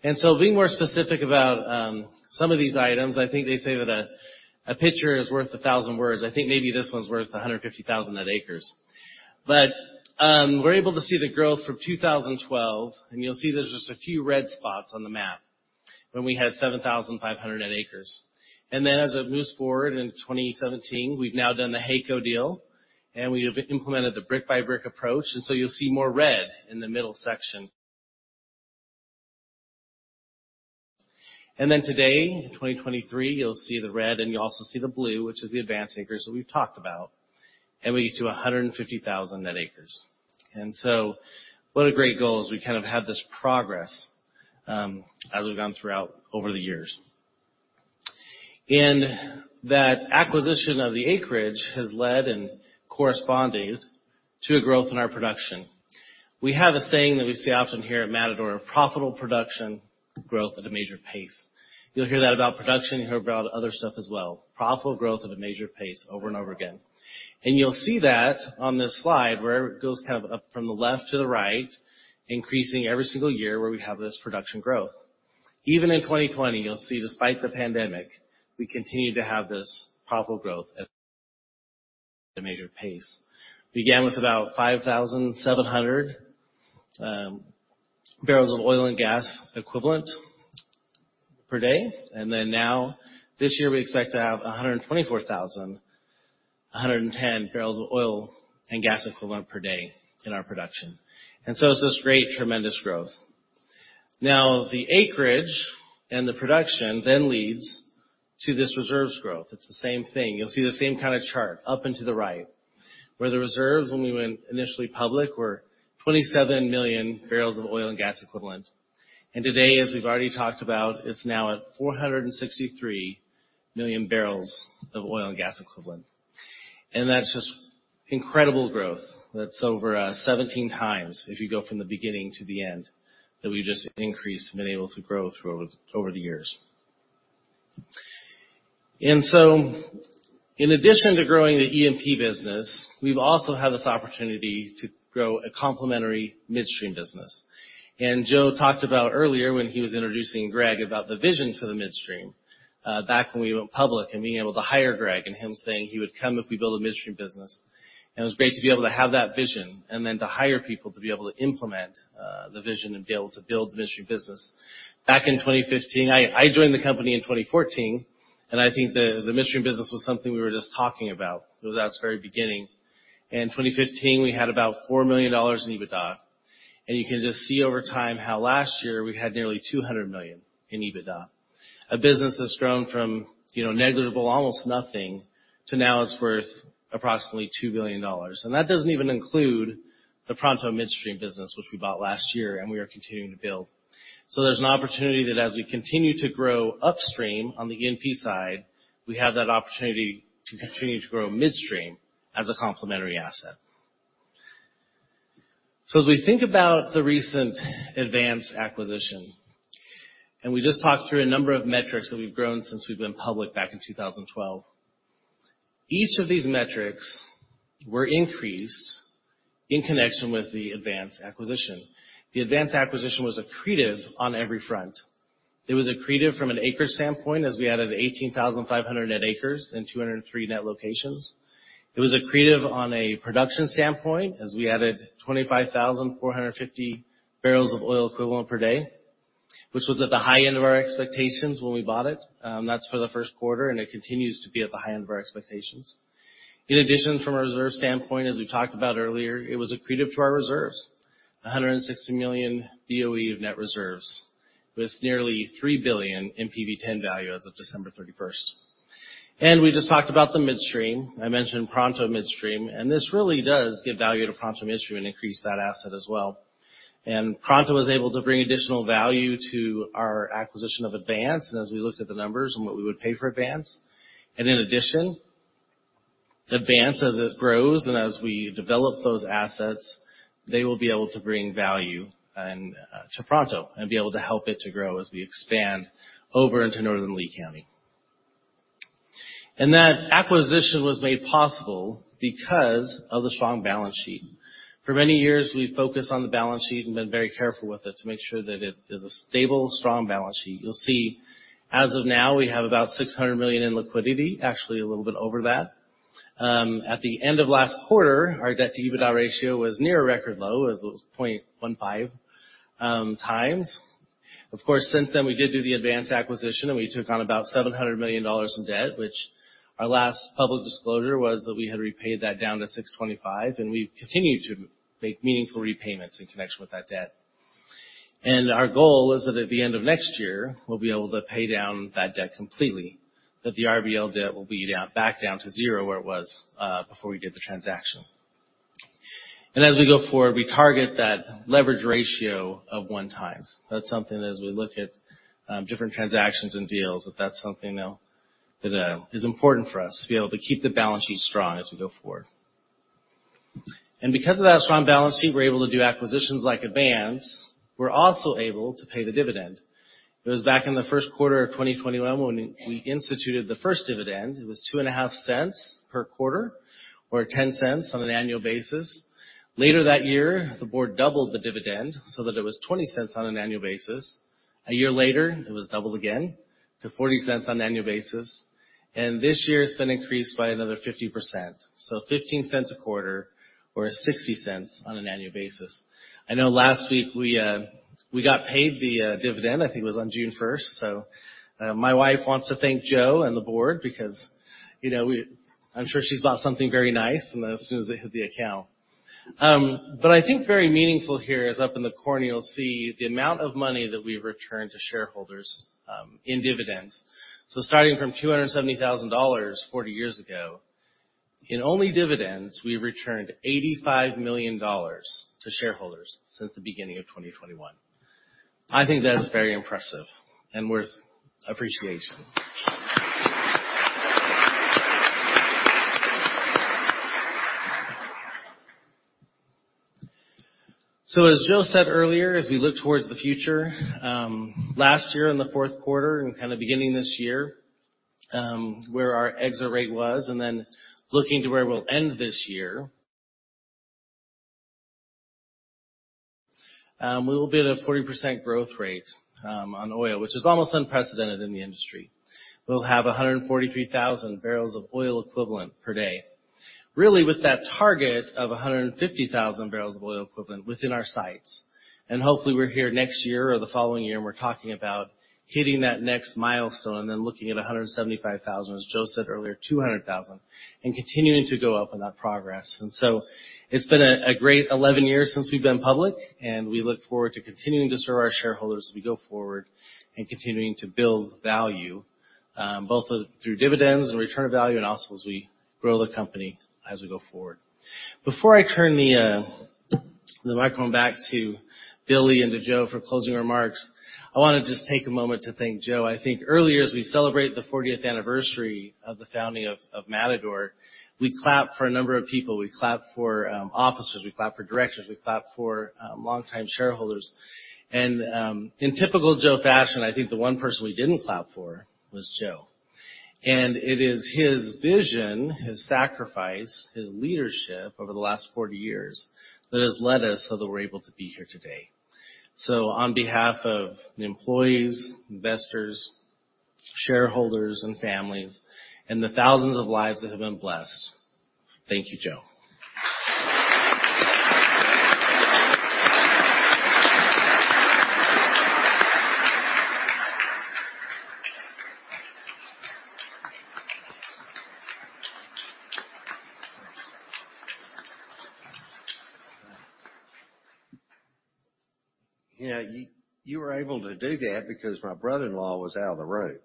Being more specific about some of these items, I think they say that a picture is worth 1,000 words. I think maybe this one's worth 150,000 net acres. We're able to see the growth from 2012, and you'll see there's just a few red spots on the map when we had 7,500 net acres. As it moves forward into 2017, we've now done the HEYCO deal, and we have implemented the brick-by-brick approach, and so you'll see more red in the middle section. Today, in 2023, you'll see the red, and you'll also see the blue, which is the advanced acres that we've talked about, and we get to 150,000 net acres. What a great goal, as we kind of have this progress, as we've gone throughout over the years. That acquisition of the acreage has led and corresponding to a growth in our production. We have a saying that we see often here at Matador, "Profitable production, growth at a major pace." You'll hear that about production, you'll hear about other stuff as well. Profitable growth at a major pace over and over again. You'll see that on this slide, where it goes kind of up from the left to the right, increasing every single year, where we have this production growth. Even in 2020, you'll see despite the pandemic, we continued to have this profitable growth at a major pace. Began with about 5,700 barrels of oil and gas equivalent per day. Now, this year, we expect to have 124,110 barrels of oil and gas equivalent per day in our production. It's this great, tremendous growth. Now, the acreage and the production then leads to this reserves growth. It's the same thing. You'll see the same kind of chart up into the right, where the reserves, when we went initially public, were 27 million barrels of oil and gas equivalent. Today, as we've already talked about, it's now at 463 million barrels of oil and gas equivalent. That's just incredible growth. That's over 17 times, if you go from the beginning to the end, that we've just increased and been able to grow over the years. In addition to growing the E&P business, we've also had this opportunity to grow a complimentary midstream business. Joe talked about earlier when he was introducing Greg about the vision for the midstream, back when we went public and being able to hire Greg, and him saying he would come if we build a midstream business. It was great to be able to have that vision, then to hire people to be able to implement the vision and be able to build the midstream business. Back in 2015, I joined the company in 2014, and I think the midstream business was something we were just talking about. It was at its very beginning. In 2015, we had about $4 million in EBITDA. You can just see over time how last year we had nearly $200 million in EBITDA. A business that's grown from, you know, negligible, almost nothing, to now it's worth approximately $2 billion. That doesn't even include the Pronto Midstream business, which we bought last year, and we are continuing to build. There's an opportunity that as we continue to grow upstream on the E&P side, we have that opportunity to continue to grow midstream as a complementary asset. As we think about the recent Advance acquisition, we just talked through a number of metrics that we've grown since we've been public back in 2012. Each of these metrics were increased in connection with the Advance acquisition. The Advance acquisition was accretive on every front. It was accretive from an acre standpoint, as we added 18,500 net acres and 203 net locations. It was accretive on a production standpoint, as we added 25,450 barrels of oil equivalent per day, which was at the high end of our expectations when we bought it. That's for the first quarter, and it continues to be at the high end of our expectations. In addition, from a reserve standpoint, as we talked about earlier, it was accretive to our reserves, 160 million BOE of net reserves, with nearly $3 billion in PV-10 value as of December 31st. We just talked about the midstream. I mentioned Pronto Midstream, and this really does give value to Pronto Midstream and increase that asset as well. Pronto was able to bring additional value to our acquisition of Advance, as we looked at the numbers and what we would pay for Advance. In addition, Advance, as it grows and as we develop those assets, they will be able to bring value to Pronto and be able to help it to grow as we expand over into Northern Lee County. That acquisition was made possible because of the strong balance sheet. For many years, we focused on the balance sheet and been very careful with it to make sure that it is a stable, strong balance sheet. You'll see, as of now, we have about $600 million in liquidity, actually, a little bit over that. At the end of last quarter, our debt-to-EBITDA ratio was near a record low, as it was 0.15 times. Of course, since then, we did do the Advance acquisition, and we took on about $700 million in debt, which our last public disclosure was that we had repaid that down to $625 million, and we've continued to make meaningful repayments in connection with that debt. Our goal is that at the end of next year, we'll be able to pay down that debt completely, that the RBL debt will be down, back down to 0, where it was before we did the transaction. As we go forward, we target that leverage ratio of 1x. That's something as we look at different transactions and deals, that that's something that is important for us to be able to keep the balance sheet strong as we go forward. Because of that strong balance sheet, we're able to do acquisitions like Advance. We're also able to pay the dividend. It was back in the first quarter of 2021 when we instituted the first dividend. It was two and a half cents per quarter or $0.10 on an annual basis. Later that year, the board doubled the dividend so that it was $0.20 on an annual basis. A year later, it was doubled again to $0.40 on an annual basis, and this year it's been increased by another 50%, so $0.15 a quarter or $0.60 on an annual basis. I know last week we got paid the dividend. I think it was on June first. My wife wants to thank Joe and the board because, you know, I'm sure she's bought something very nice, and as soon as it hit the account. I think very meaningful here is up in the corner, you'll see the amount of money that we've returned to shareholders in dividends. Starting from $270,000 40 years ago, in only dividends, we returned $85 million to shareholders since the beginning of 2021. I think that is very impressive and worth appreciation. As Joe said earlier, as we look towards the future, last year in the fourth quarter and kinda beginning this year, where our exit rate was, and then looking to where we'll end this year, we will be at a 40% growth rate on oil, which is almost unprecedented in the industry. We'll have 143,000 barrels of oil equivalent per day. Really with that target of 150,000 barrels of oil equivalent within our sights. Hopefully, we're here next year or the following year, and we're talking about hitting that next milestone and then looking at 175,000, as Joe said earlier, 200,000, and continuing to go up on that progress. It's been a great 11 years since we've been public, and we look forward to continuing to serve our shareholders as we go forward and continuing to build value, both through dividends and return of value and also as we grow the company as we go forward. Before I turn the microphone back to Billy and to Joe for closing remarks, I wanna just take a moment to thank Joe. I think earlier, as we celebrate the 40th anniversary of the founding of Matador, we clapped for a number of people. We clapped for officers, we clapped for directors, we clapped for longtime shareholders. In typical Joe fashion, I think the one person we didn't clap for was Joe. It is his vision, his sacrifice, his leadership over the last 40 years that has led us so that we're able to be here today. On behalf of the employees, investors, shareholders, and families, and the thousands of lives that have been blessed, thank you, Joe. You know, you were able to do that because my brother-in-law was out of the room.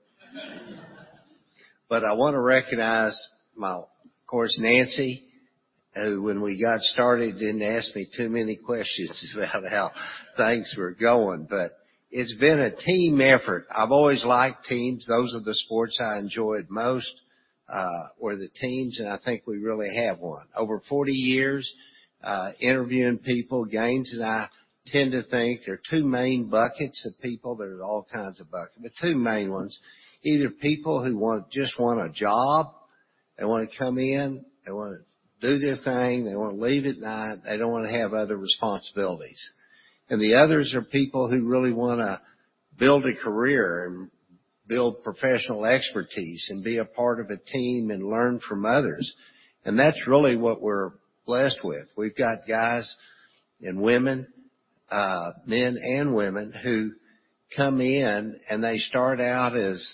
I want to recognize my, of course, Nancy, who, when we got started, didn't ask me too many questions about how things were going. It's been a team effort. I've always liked teams. Those are the sports I enjoyed most, were the teams, and I think we really have one. Over 40 years, interviewing people, Gaines and I tend to think there are two main buckets of people, there are all kinds of buckets, but two main ones. Either people who just want a job, they wanna come in, they wanna do their thing, they wanna leave at night, they don't wanna have other responsibilities. The others are people who really wanna build a career and build professional expertise, and be a part of a team and learn from others. That's really what we're blessed with. We've got guys and women, men and women who come in, and they start out as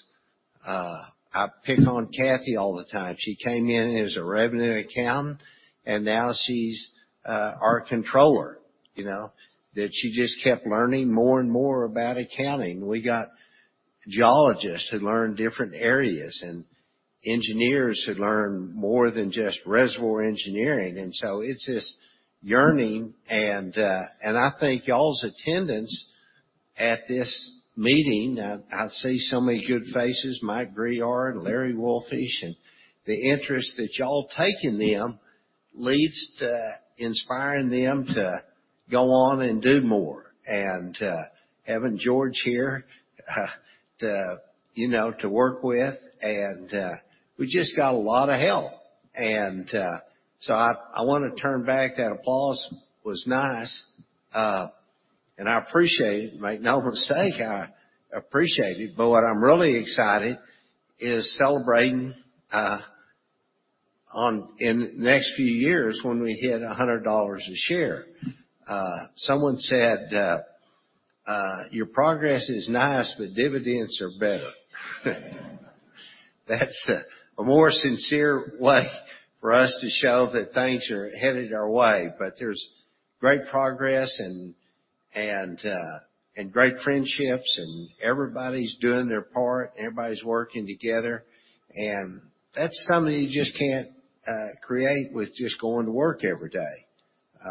I pick on Kathy all the time. She came in as a revenue accountant, and now she's our controller, you know, that she just kept learning more and more about accounting. We got geologists who learn different areas, and engineers who learn more than just reservoir engineering. It's this yearning, and I think y'all's attendance at this meeting, I see so many good faces, Mike Breard, Larry Wolfish, the interest that y'all take in them leads to inspiring them to go on and do more. Having George here, you know, to work with, we just got a lot of help. So I wanna turn back. That applause was nice, and I appreciate it. Make no mistake, I appreciate it, but what I'm really excited is celebrating in the next few years when we hit $100 a share. Someone said, "Your progress is nice, but dividends are better." That's a more sincere way for us to show that things are headed our way. There's great progress and great friendships, and everybody's doing their part, everybody's working together, and that's something you just can't create with just going to work every day.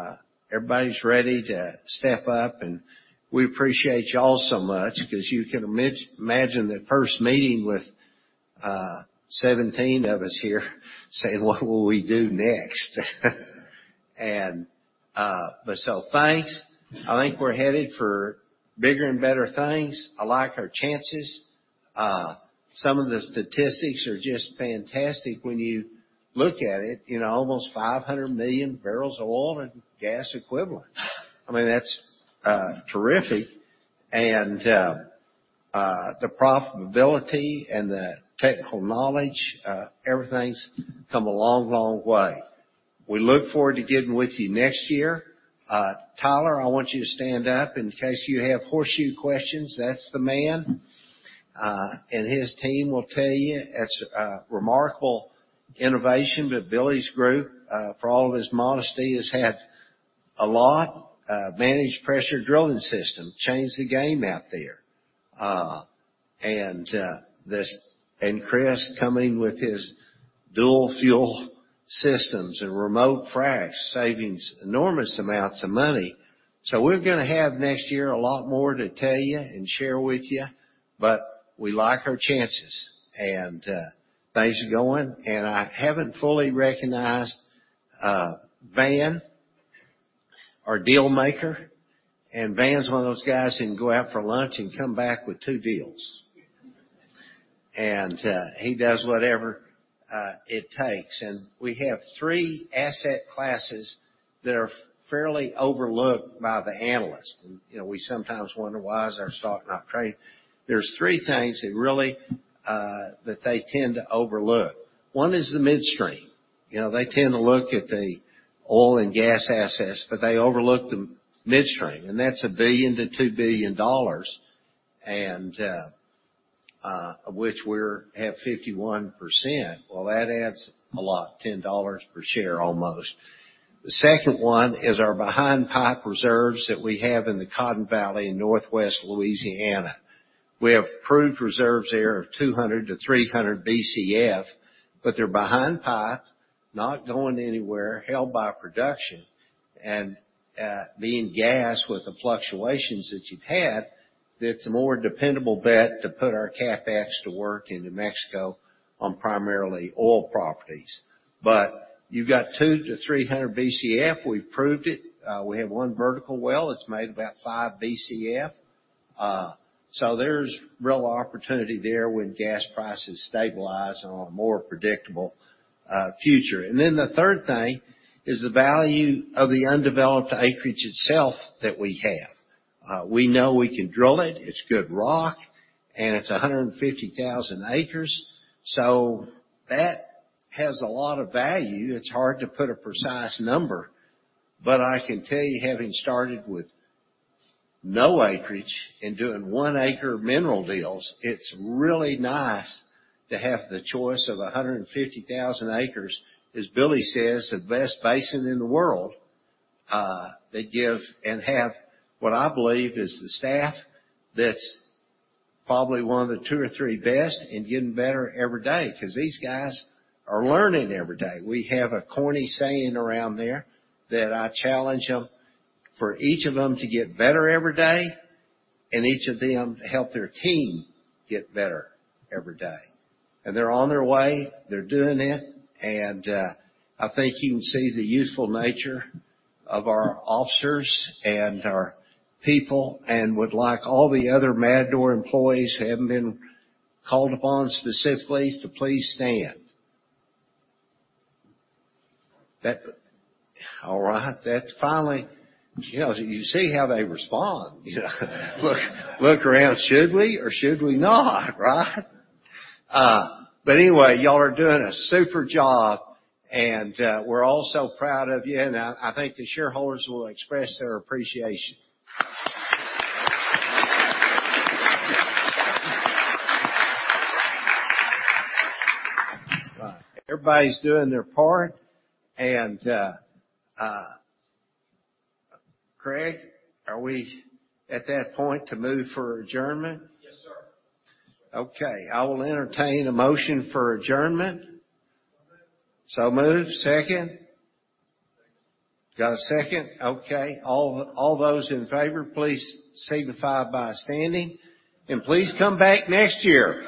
Everybody's ready to step up, and we appreciate y'all so much because you can imagine that first meeting with 17 of us here, saying, "What will we do next?" Thanks. I think we're headed for bigger and better things. I like our chances. Some of the statistics are just fantastic when you look at it, you know, almost 500 million barrels of oil and gas equivalent. I mean, that's terrific. The profitability and the technical knowledge, everything's come a long, long way. We look forward to getting with you next year. Tyler, I want you to stand up in case you have Horseshoe Questions. That's the man, and his team will tell you, it's a remarkable innovation, but Billy's group, for all of his modesty, has had a lot, managed pressure drilling system, changed the game out there. Chris coming with his dual fuel systems and remote fracs, savings enormous amounts of money. We're gonna have, next year, a lot more to tell you and share with you, but we like our chances, and things are going. I haven't fully recognized, Van, our deal maker, and Van's one of those guys who can go out for lunch and come back with 2 deals. He does whatever it takes. We have 3 asset classes that are fairly overlooked by the analysts. You know, we sometimes wonder why is our stock not trading? There's three things that really that they tend to overlook. One is the midstream. You know, they tend to look at the oil and gas assets, but they overlook the midstream, and that's $1 billion-$2 billion, which we're at 51%. Well, that adds a lot, $10 per share, almost. The second one is our behind pipe reserves that we have in the Cotton Valley in Northwest Louisiana. We have proved reserves there of 200-300 BCF, but they're behind pipe, not going anywhere, held by production, being gassed with the fluctuations that you've had, that's a more dependable bet to put our CapEx to work in New Mexico on primarily oil properties. You've got 200-300 BCF. We've proved it. We have one vertical well, it's made about 5 BCF. There's real opportunity there when gas prices stabilize on a more predictable future. The third thing is the value of the undeveloped acreage itself that we have. We know we can drill it's good rock, and it's 150,000 acres, so that has a lot of value. It's hard to put a precise number, but I can tell you, having started with no acreage and doing one acre mineral deals, it's really nice to have the choice of 150,000 acres. As Billy says, the best basin in the world, they give and have what I believe is the staff that's probably one of the two or three best and getting better every day, 'cause these guys are learning every day. We have a corny saying around there that I challenge them for each of them to get better every day, and each of them to help their team get better every day. They're on their way, they're doing it, I think you can see the useful nature of our officers and our people, and would like all the other Matador employees who haven't been called upon specifically to please stand. You know, you see how they respond. You know, look around, should we or should we not, right? Anyway, y'all are doing a super job, we're all so proud of you, and I think the shareholders will express their appreciation. Everybody's doing their part, Craig, are we at that point to move for adjournment? Yes, sir. Okay, I will entertain a motion for adjournment. Moved. Moved. Second? Second. Got a second. Okay, all those in favor, please signify by standing. Please come back next year!